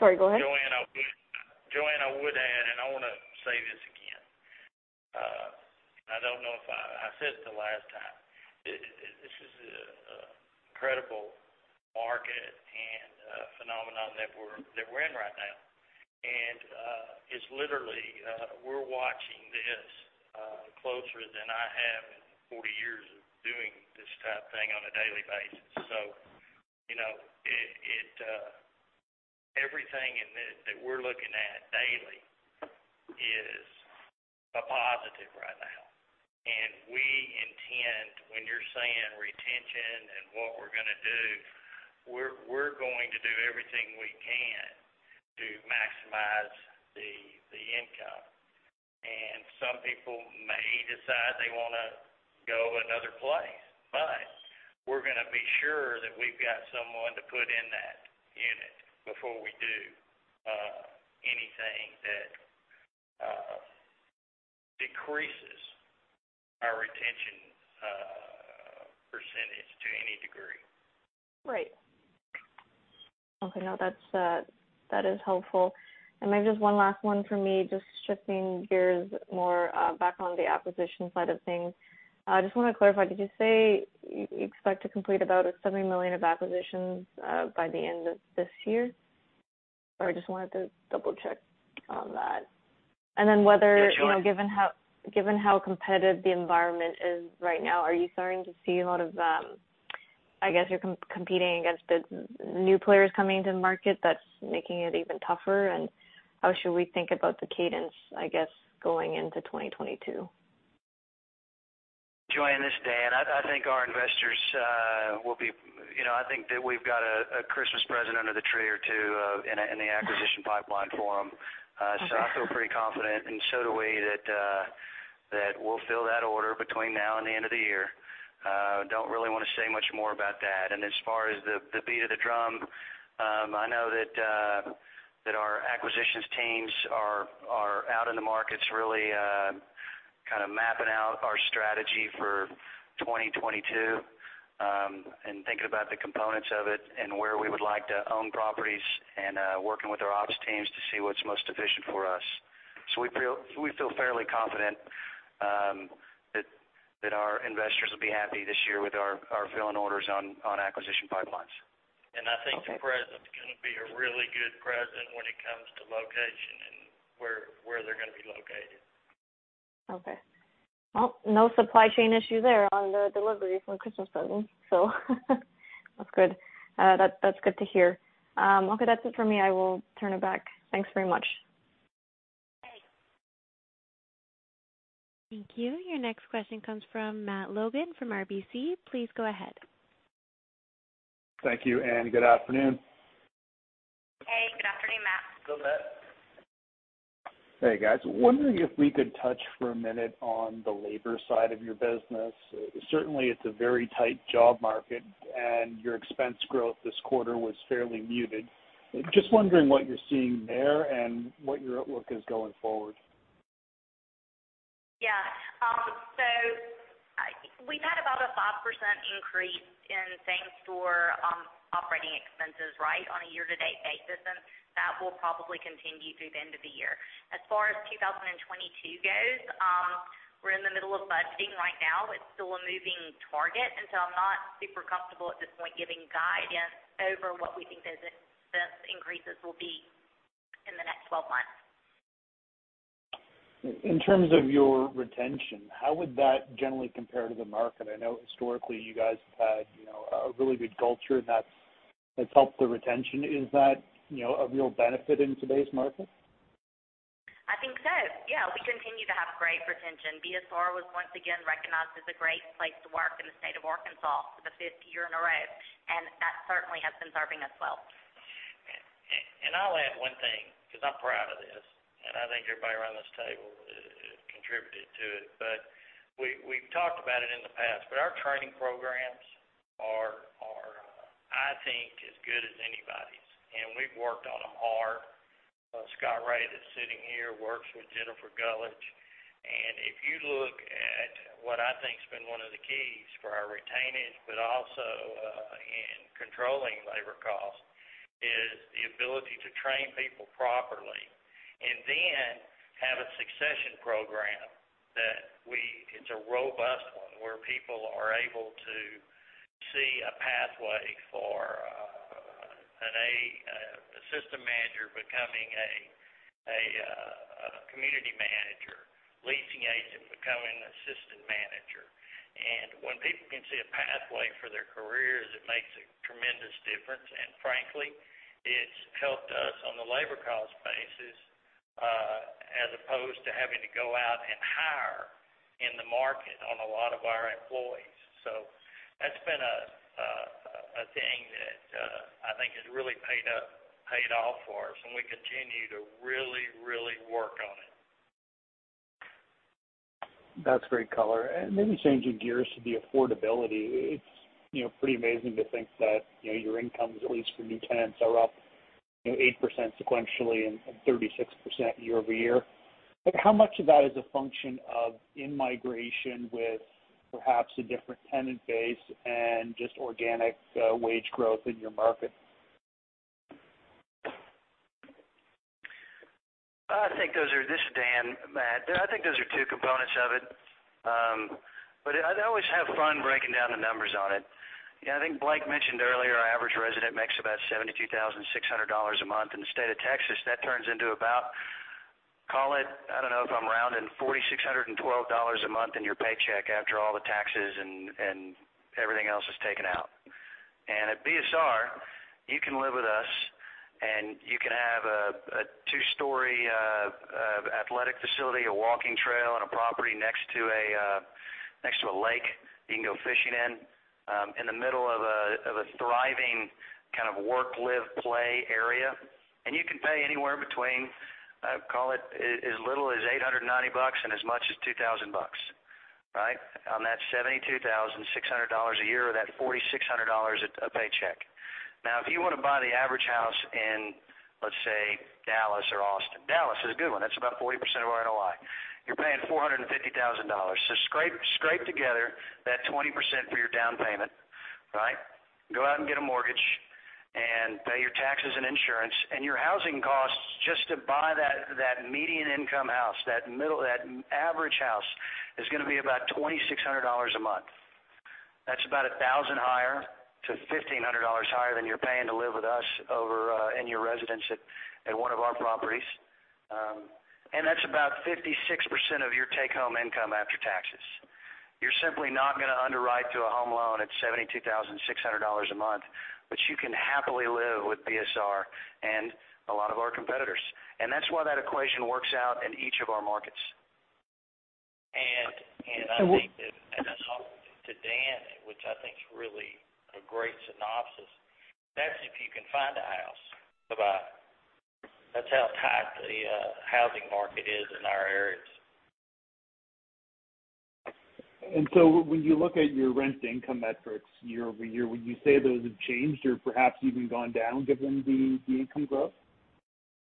Sorry. Go ahead. Joanne, I would add, and I wanna say this again, I don't know if I said it the last time. This is an incredible market and phenomenon that we're in right now. It's literally we're watching this closer than I have in 40 years of doing this type thing on a daily basis. You know, it everything in it that we're looking at daily is a positive right now. We intend, when you're saying retention and what we're gonna do, we're going to do everything we can to maximize the income. Some people may decide they wanna go another place. We're gonna be sure that we've got someone to put in that unit before we do anything that decreases our retention percentage to any degree. Right. Okay, no, that's, that is helpful. Maybe just one last one for me, just shifting gears more, back on the acquisition side of things. I just wanna clarify, did you say you expect to complete about $70 million of acquisitions by the end of this year? I just wanted to double check on that. Then whether- Yeah, sure. You know, given how competitive the environment is right now, are you starting to see a lot of, I guess you're competing against the new players coming into the market that's making it even tougher, and how should we think about the cadence, I guess, going into 2022? Joanne, this is Dan. I think our investors will be. You know, I think that we've got a Christmas present under the tree or two in the acquisition pipeline for them. Okay. I feel pretty confident, and so do we, that we'll fill that order between now and the end of the year. Don't really wanna say much more about that. As far as the beat of the drum, I know that our acquisitions teams are out in the markets really kind of mapping out our strategy for 2022, and thinking about the components of it and where we would like to own properties, and working with our ops teams to see what's most efficient for us. We feel fairly confident that our investors will be happy this year with our filling orders on acquisition pipelines. Okay. I think the presence is gonna be a really good presence when it comes to location and where they're gonna be located. Okay. Well, no supply chain issue there on the delivery for the Christmas present. That's good. That's good to hear. Okay, that's it for me. I will turn it back. Thanks very much. Great. Thank you. Your next question comes from Matt Logan from RBC. Please go ahead. Thank you, and good afternoon. Hey, good afternoon, Matt. Good, Matt. Hey, guys. Wondering if we could touch for a minute on the labor side of your business. Certainly, it's a very tight job market, and your expense growth this quarter was fairly muted. Just wondering what you're seeing there and what your outlook is going forward. Yeah. We've had about a 5% increase in same-store operating expenses, right, on a year-to-date basis, and that will probably continue through the end of the year. As far as 2022 goes, we're in the middle of budgeting right now. It's still a moving target, and so I'm not super comfortable at this point giving guidance over what we think those expense increases will be in the next 12 months. In terms of your retention, how would that generally compare to the market? I know historically you guys have had, you know, a really good culture, and that's helped the retention. Is that, you know, a real benefit in today's market? I think so. Yeah, we continue to have great retention. BSR was once again recognized as a great place to work in the state of Arkansas for the fifth year in a row, and that certainly has been serving us well. I'll add one thing, because I'm proud of this, and I think everybody around this table contributed to it. We've talked about it in the past, but our training programs are, I think, as good as anybody's, and we've worked on them hard. Scott Wray that's sitting here works with Jennifer Gulledge. If you look at what I think's been one of the keys for our retainage, but also in controlling labor costs, is the ability to train people properly, and then have a succession program. It's a robust one, where people are able to see a pathway for an assistant manager becoming a community manager, leasing agent becoming an assistant manager. When people can see a pathway for their careers, it makes a tremendous difference. Frankly, it's helped us on the labor cost basis, as opposed to having to go out and hire in the market on a lot of our employees. That's been a thing that I think has really paid off for us, and we continue to really work on it. That's great color. Maybe changing gears to the affordability. It's, you know, pretty amazing to think that, you know, your incomes, at least for new tenants, are up, you know, 8% sequentially and 36% YoY. Like, how much of that is a function of in-migration with perhaps a different tenant base and just organic wage growth in your market? This is Dan, Matt. I think those are two components of it. But I always have fun breaking down the numbers on it. You know, I think Blake mentioned earlier, our average resident makes about $72,600 a month. In the state of Texas, that turns into about, call it, I don't know if I'm rounding, $4,612 a month in your paycheck after all the taxes and everything else is taken out. At BSR, you can live with us, and you can have a two-story athletic facility, a walking trail, and a property next to a lake you can go fishing in the middle of a thriving kind of work, live, play area. You can pay anywhere between, call it as little as $890 bucks and as much as $2,000 bucks, right? On that $72,600 a year, or that $4,600 a paycheck. Now, if you wanna buy the average house in, let's say, Dallas or Austin. Dallas is a good one. That's about 40% of our NOI. You're paying $450,000. Scrape together that 20% for your down payment, right? Go out and get a mortgage and pay your taxes and insurance, and your housing costs just to buy that median income house, that average house is gonna be about $2,600 a month. That's about $1,000-$1,500 higher than you're paying to live with us over in your residence at one of our properties. That's about 56% of your take-home income after taxes. You're simply not gonna underwrite to a home loan at $72,600 a month, but you can happily live with BSR and a lot of our competitors. That's why that equation works out in each of our markets. I think that and to Dan, which I think is really a great synopsis. That's if you can find a house to buy. That's how tight the housing market is in our areas. When you look at your rent-to-income metrics YoY, would you say those have changed or perhaps even gone down given the income growth?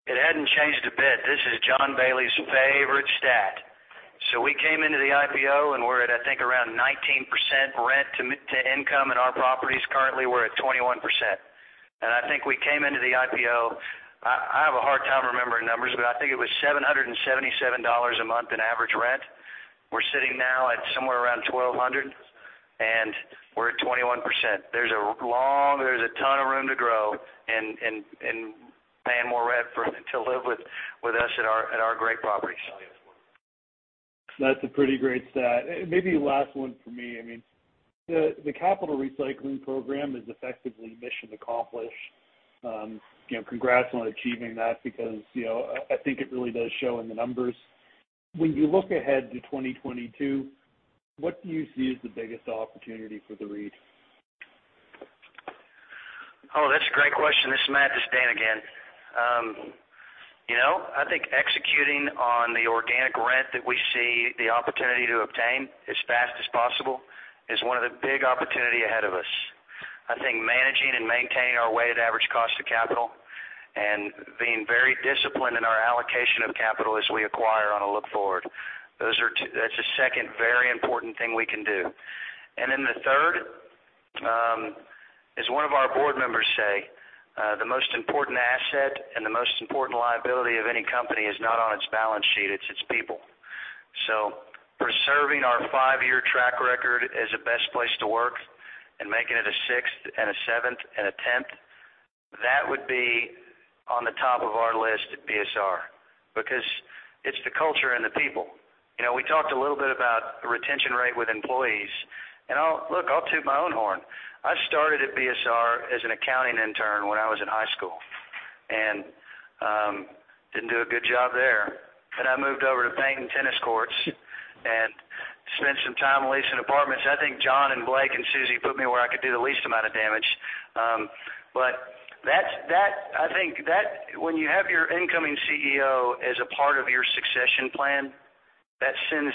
It hadn't changed a bit. This is John Bailey's favorite stat. We came into the IPO, and we're at, I think, around 19% rent to income in our properties. Currently, we're at 21%. I think we came into the IPO. I have a hard time remembering numbers, but I think it was $777 a month in average rent. We're sitting now at somewhere around $1,200, and we're at 21%. There's a ton of room to grow in paying more rent to live with us at our great properties. That's a pretty great stat. Maybe last one for me. I mean, the capital recycling program is effectively mission accomplished. You know, congrats on achieving that because, you know, I think it really does show in the numbers. When you look ahead to 2022, what do you see as the biggest opportunity for the REIT? Oh, that's a great question. This is Matt. This is Dan again. You know, I think executing on the organic rent that we see the opportunity to obtain as fast as possible is one of the big opportunity ahead of us. I think managing and maintaining our weighted average cost of capital and being very disciplined in our allocation of capital as we acquire on a look forward, that's the second very important thing we can do. The third, as one of our board members say, the most important asset and the most important liability of any company is not on its balance sheet, it's its people. Preserving our five-year track record as a Best Place to Work and making it a sixth and a seventh and a tenth, that would be on the top of our list at BSR, because it's the culture and the people. You know, we talked a little bit about the retention rate with employees. Look, I'll toot my own horn. I started at BSR as an accounting intern when I was in high school, and, didn't do a good job there. Then I moved over to painting tennis courts and spent some time leasing apartments. I think John and Blake and Susie put me where I could do the least amount of damage. I think that when you have your incoming CEO as a part of your succession plan, that sends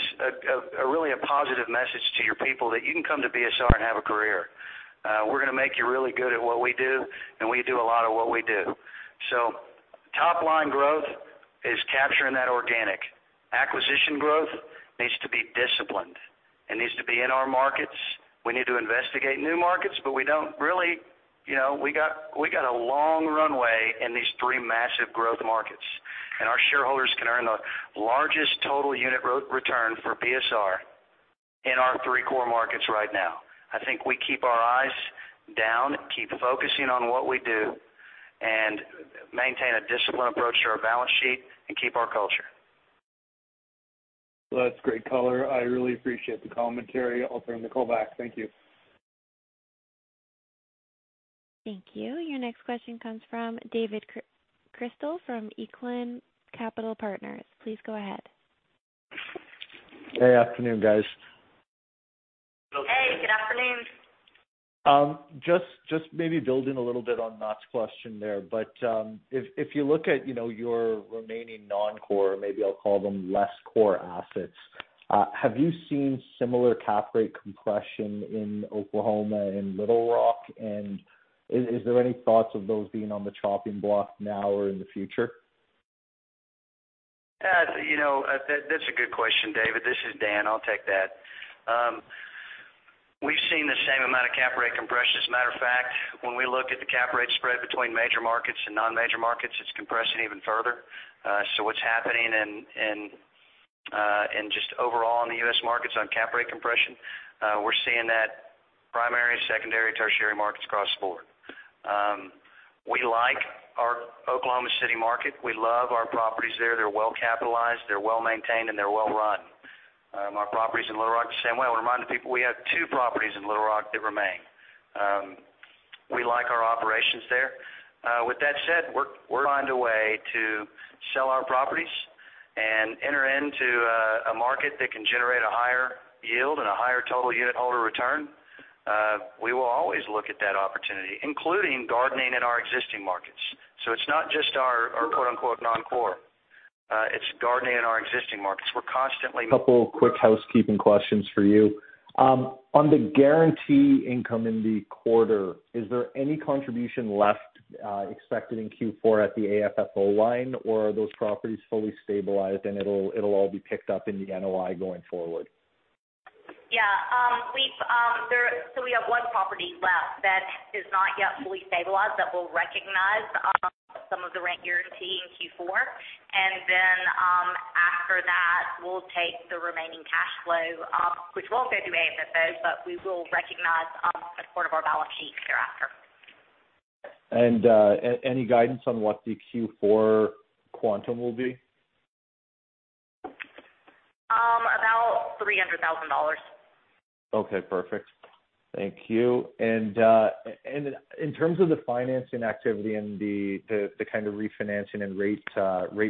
a really positive message to your people that you can come to BSR and have a career. We're gonna make you really good at what we do, and we do a lot of what we do. Top line growth is capturing that organic. Acquisition growth needs to be disciplined and needs to be in our markets. We need to investigate new markets, but we don't really. You know, we got a long runway in these three massive growth markets, and our shareholders can earn the largest total unit return for BSR in our three core markets right now. I think we keep our eyes down, keep focusing on what we do, and maintain a disciplined approach to our balance sheet and keep our culture. That's great color. I really appreciate the commentary. I'll turn the call back. Thank you. Thank you. Your next question comes from David Chrystal from Echelon Capital Markets. Please go ahead. Hey, afternoon, guys. Hey, good afternoon. Just maybe building a little bit on Matt's question there. If you look at, you know, your remaining non-core, maybe I'll call them less core assets, have you seen similar cap rate compression in Oklahoma and Little Rock? Is there any thoughts of those being on the chopping block now or in the future? Yeah. You know, that's a good question, David. This is Dan. I'll take that. We've seen the same amount of cap rate compression. As a matter of fact, when we look at the cap rate spread between major markets and non-major markets, it's compressing even further. So what's happening in just overall in the U.S. markets on cap rate compression, we're seeing that primary, secondary, tertiary markets across the board. We like our Oklahoma City market. We love our properties there. They're well capitalized, they're well-maintained, and they're well run. Our properties in Little Rock the same way. I wanna remind the people, we have two properties in Little Rock that remain. We like our operations there. With that said, we find a way to sell our properties and enter into a market that can generate a higher yield and a higher total unit holder return. We will always look at that opportunity, including gardening in our existing markets. It's not just our "non-core". It's gardening in our existing markets. We're constantly Couple quick housekeeping questions for you. On the guarantee income in the quarter, is there any contribution left expected in Q4 at the AFFO line, or are those properties fully stabilized and it'll all be picked up in the NOI going forward? Yeah. We have one property left that is not yet fully stabilized that will recognize some of the rent guarantee in Q4. After that, we'll take the remaining cash flow which won't go through AFFO, but we will recognize as part of our balance sheet thereafter. Any guidance on what the Q4 quantum will be? About $300,000. Okay, perfect. Thank you. In terms of the financing activity and the kind of refinancing and rate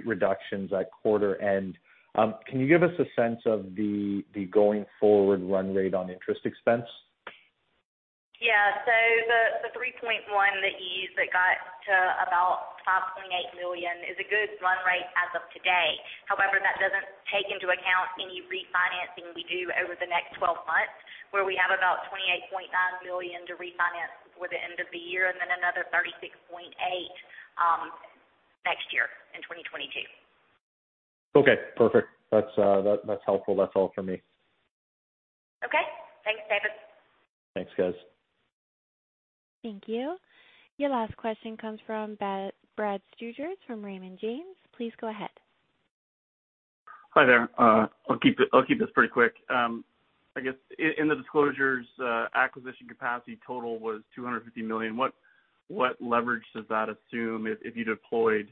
reductions at quarter end, can you give us a sense of the going forward run rate on interest expense? Yeah. The 3.1 that you used that got to about $5.8 million is a good run rate as of today. However, that doesn't take into account any refinancing we do over the next 12 months, where we have about $28.9 million to refinance before the end of the year, and then another $36.8 million next year in 2022. Okay, perfect. That's helpful. That's all for me. Okay. Thanks, David. Thanks, guys. Thank you. Your last question comes from Brad Sturges from Raymond James. Please go ahead. Hi there. I'll keep this pretty quick. I guess in the disclosures, acquisition capacity total was $250 million. What leverage does that assume if you deployed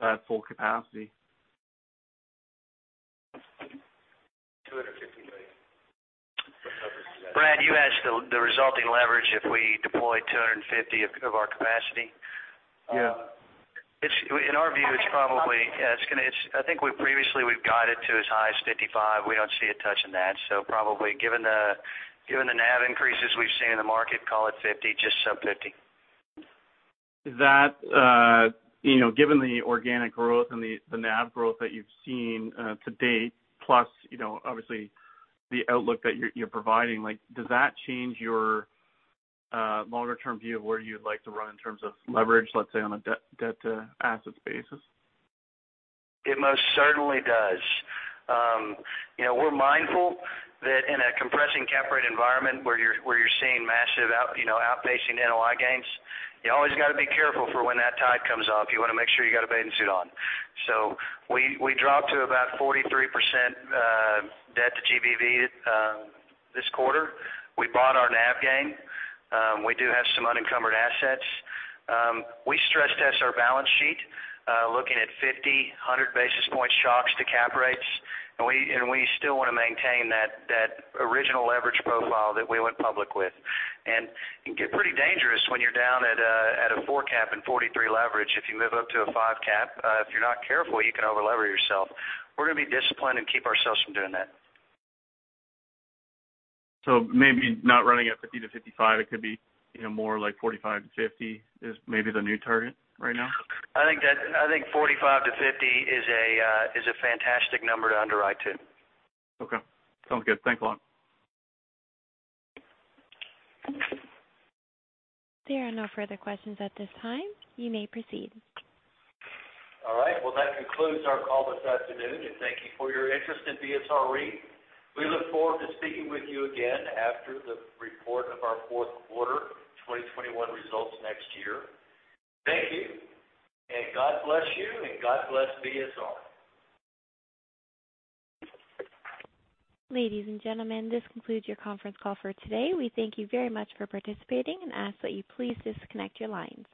that full capacity? $250 million. What leverage does that? Brad, you asked the resulting leverage if we deployed 250 of our capacity. Yeah. In our view, I think we've previously got it to as high as 55. We don't see it touching that. Probably given the NAV increases we've seen in the market, call it 50, just sub-50. That, you know, given the organic growth and the NAV growth that you've seen to date, plus, you know, obviously the outlook that you're providing, like, does that change your longer term view of where you'd like to run in terms of leverage, let's say, on a debt-to-assets basis? It most certainly does. You know, we're mindful that in a compressing cap rate environment where you're seeing massive outpacing NOI gains, you always gotta be careful for when that tide comes up. You wanna make sure you got a bathing suit on. We dropped to about 43% debt to GBV this quarter. We bought our NAV gain. We do have some unencumbered assets. We stress test our balance sheet looking at 50 basis point, 100 basis point shocks to cap rates. We still wanna maintain that original leverage profile that we went public with. It can get pretty dangerous when you're down at a 4 cap and 43 leverage. If you move up to a 5 cap, if you're not careful, you can over-lever yourself. We're gonna be disciplined and keep ourselves from doing that. So maybe not running at 50-55, it could be, you know, more like 45-50 is maybe the new target right now? I think 45-50 is a fantastic number to underwrite to. Okay. Sounds good. Thanks a lot. There are no further questions at this time. You may proceed. All right. Well, that concludes our call this afternoon. Thank you for your interest in BSR REIT. We look forward to speaking with you again after the report of our fourth quarter 2021 results next year. Thank you, and God bless you, and God bless BSR. Ladies and gentlemen, this concludes your conference call for today. We thank you very much for participating and ask that you please disconnect your lines.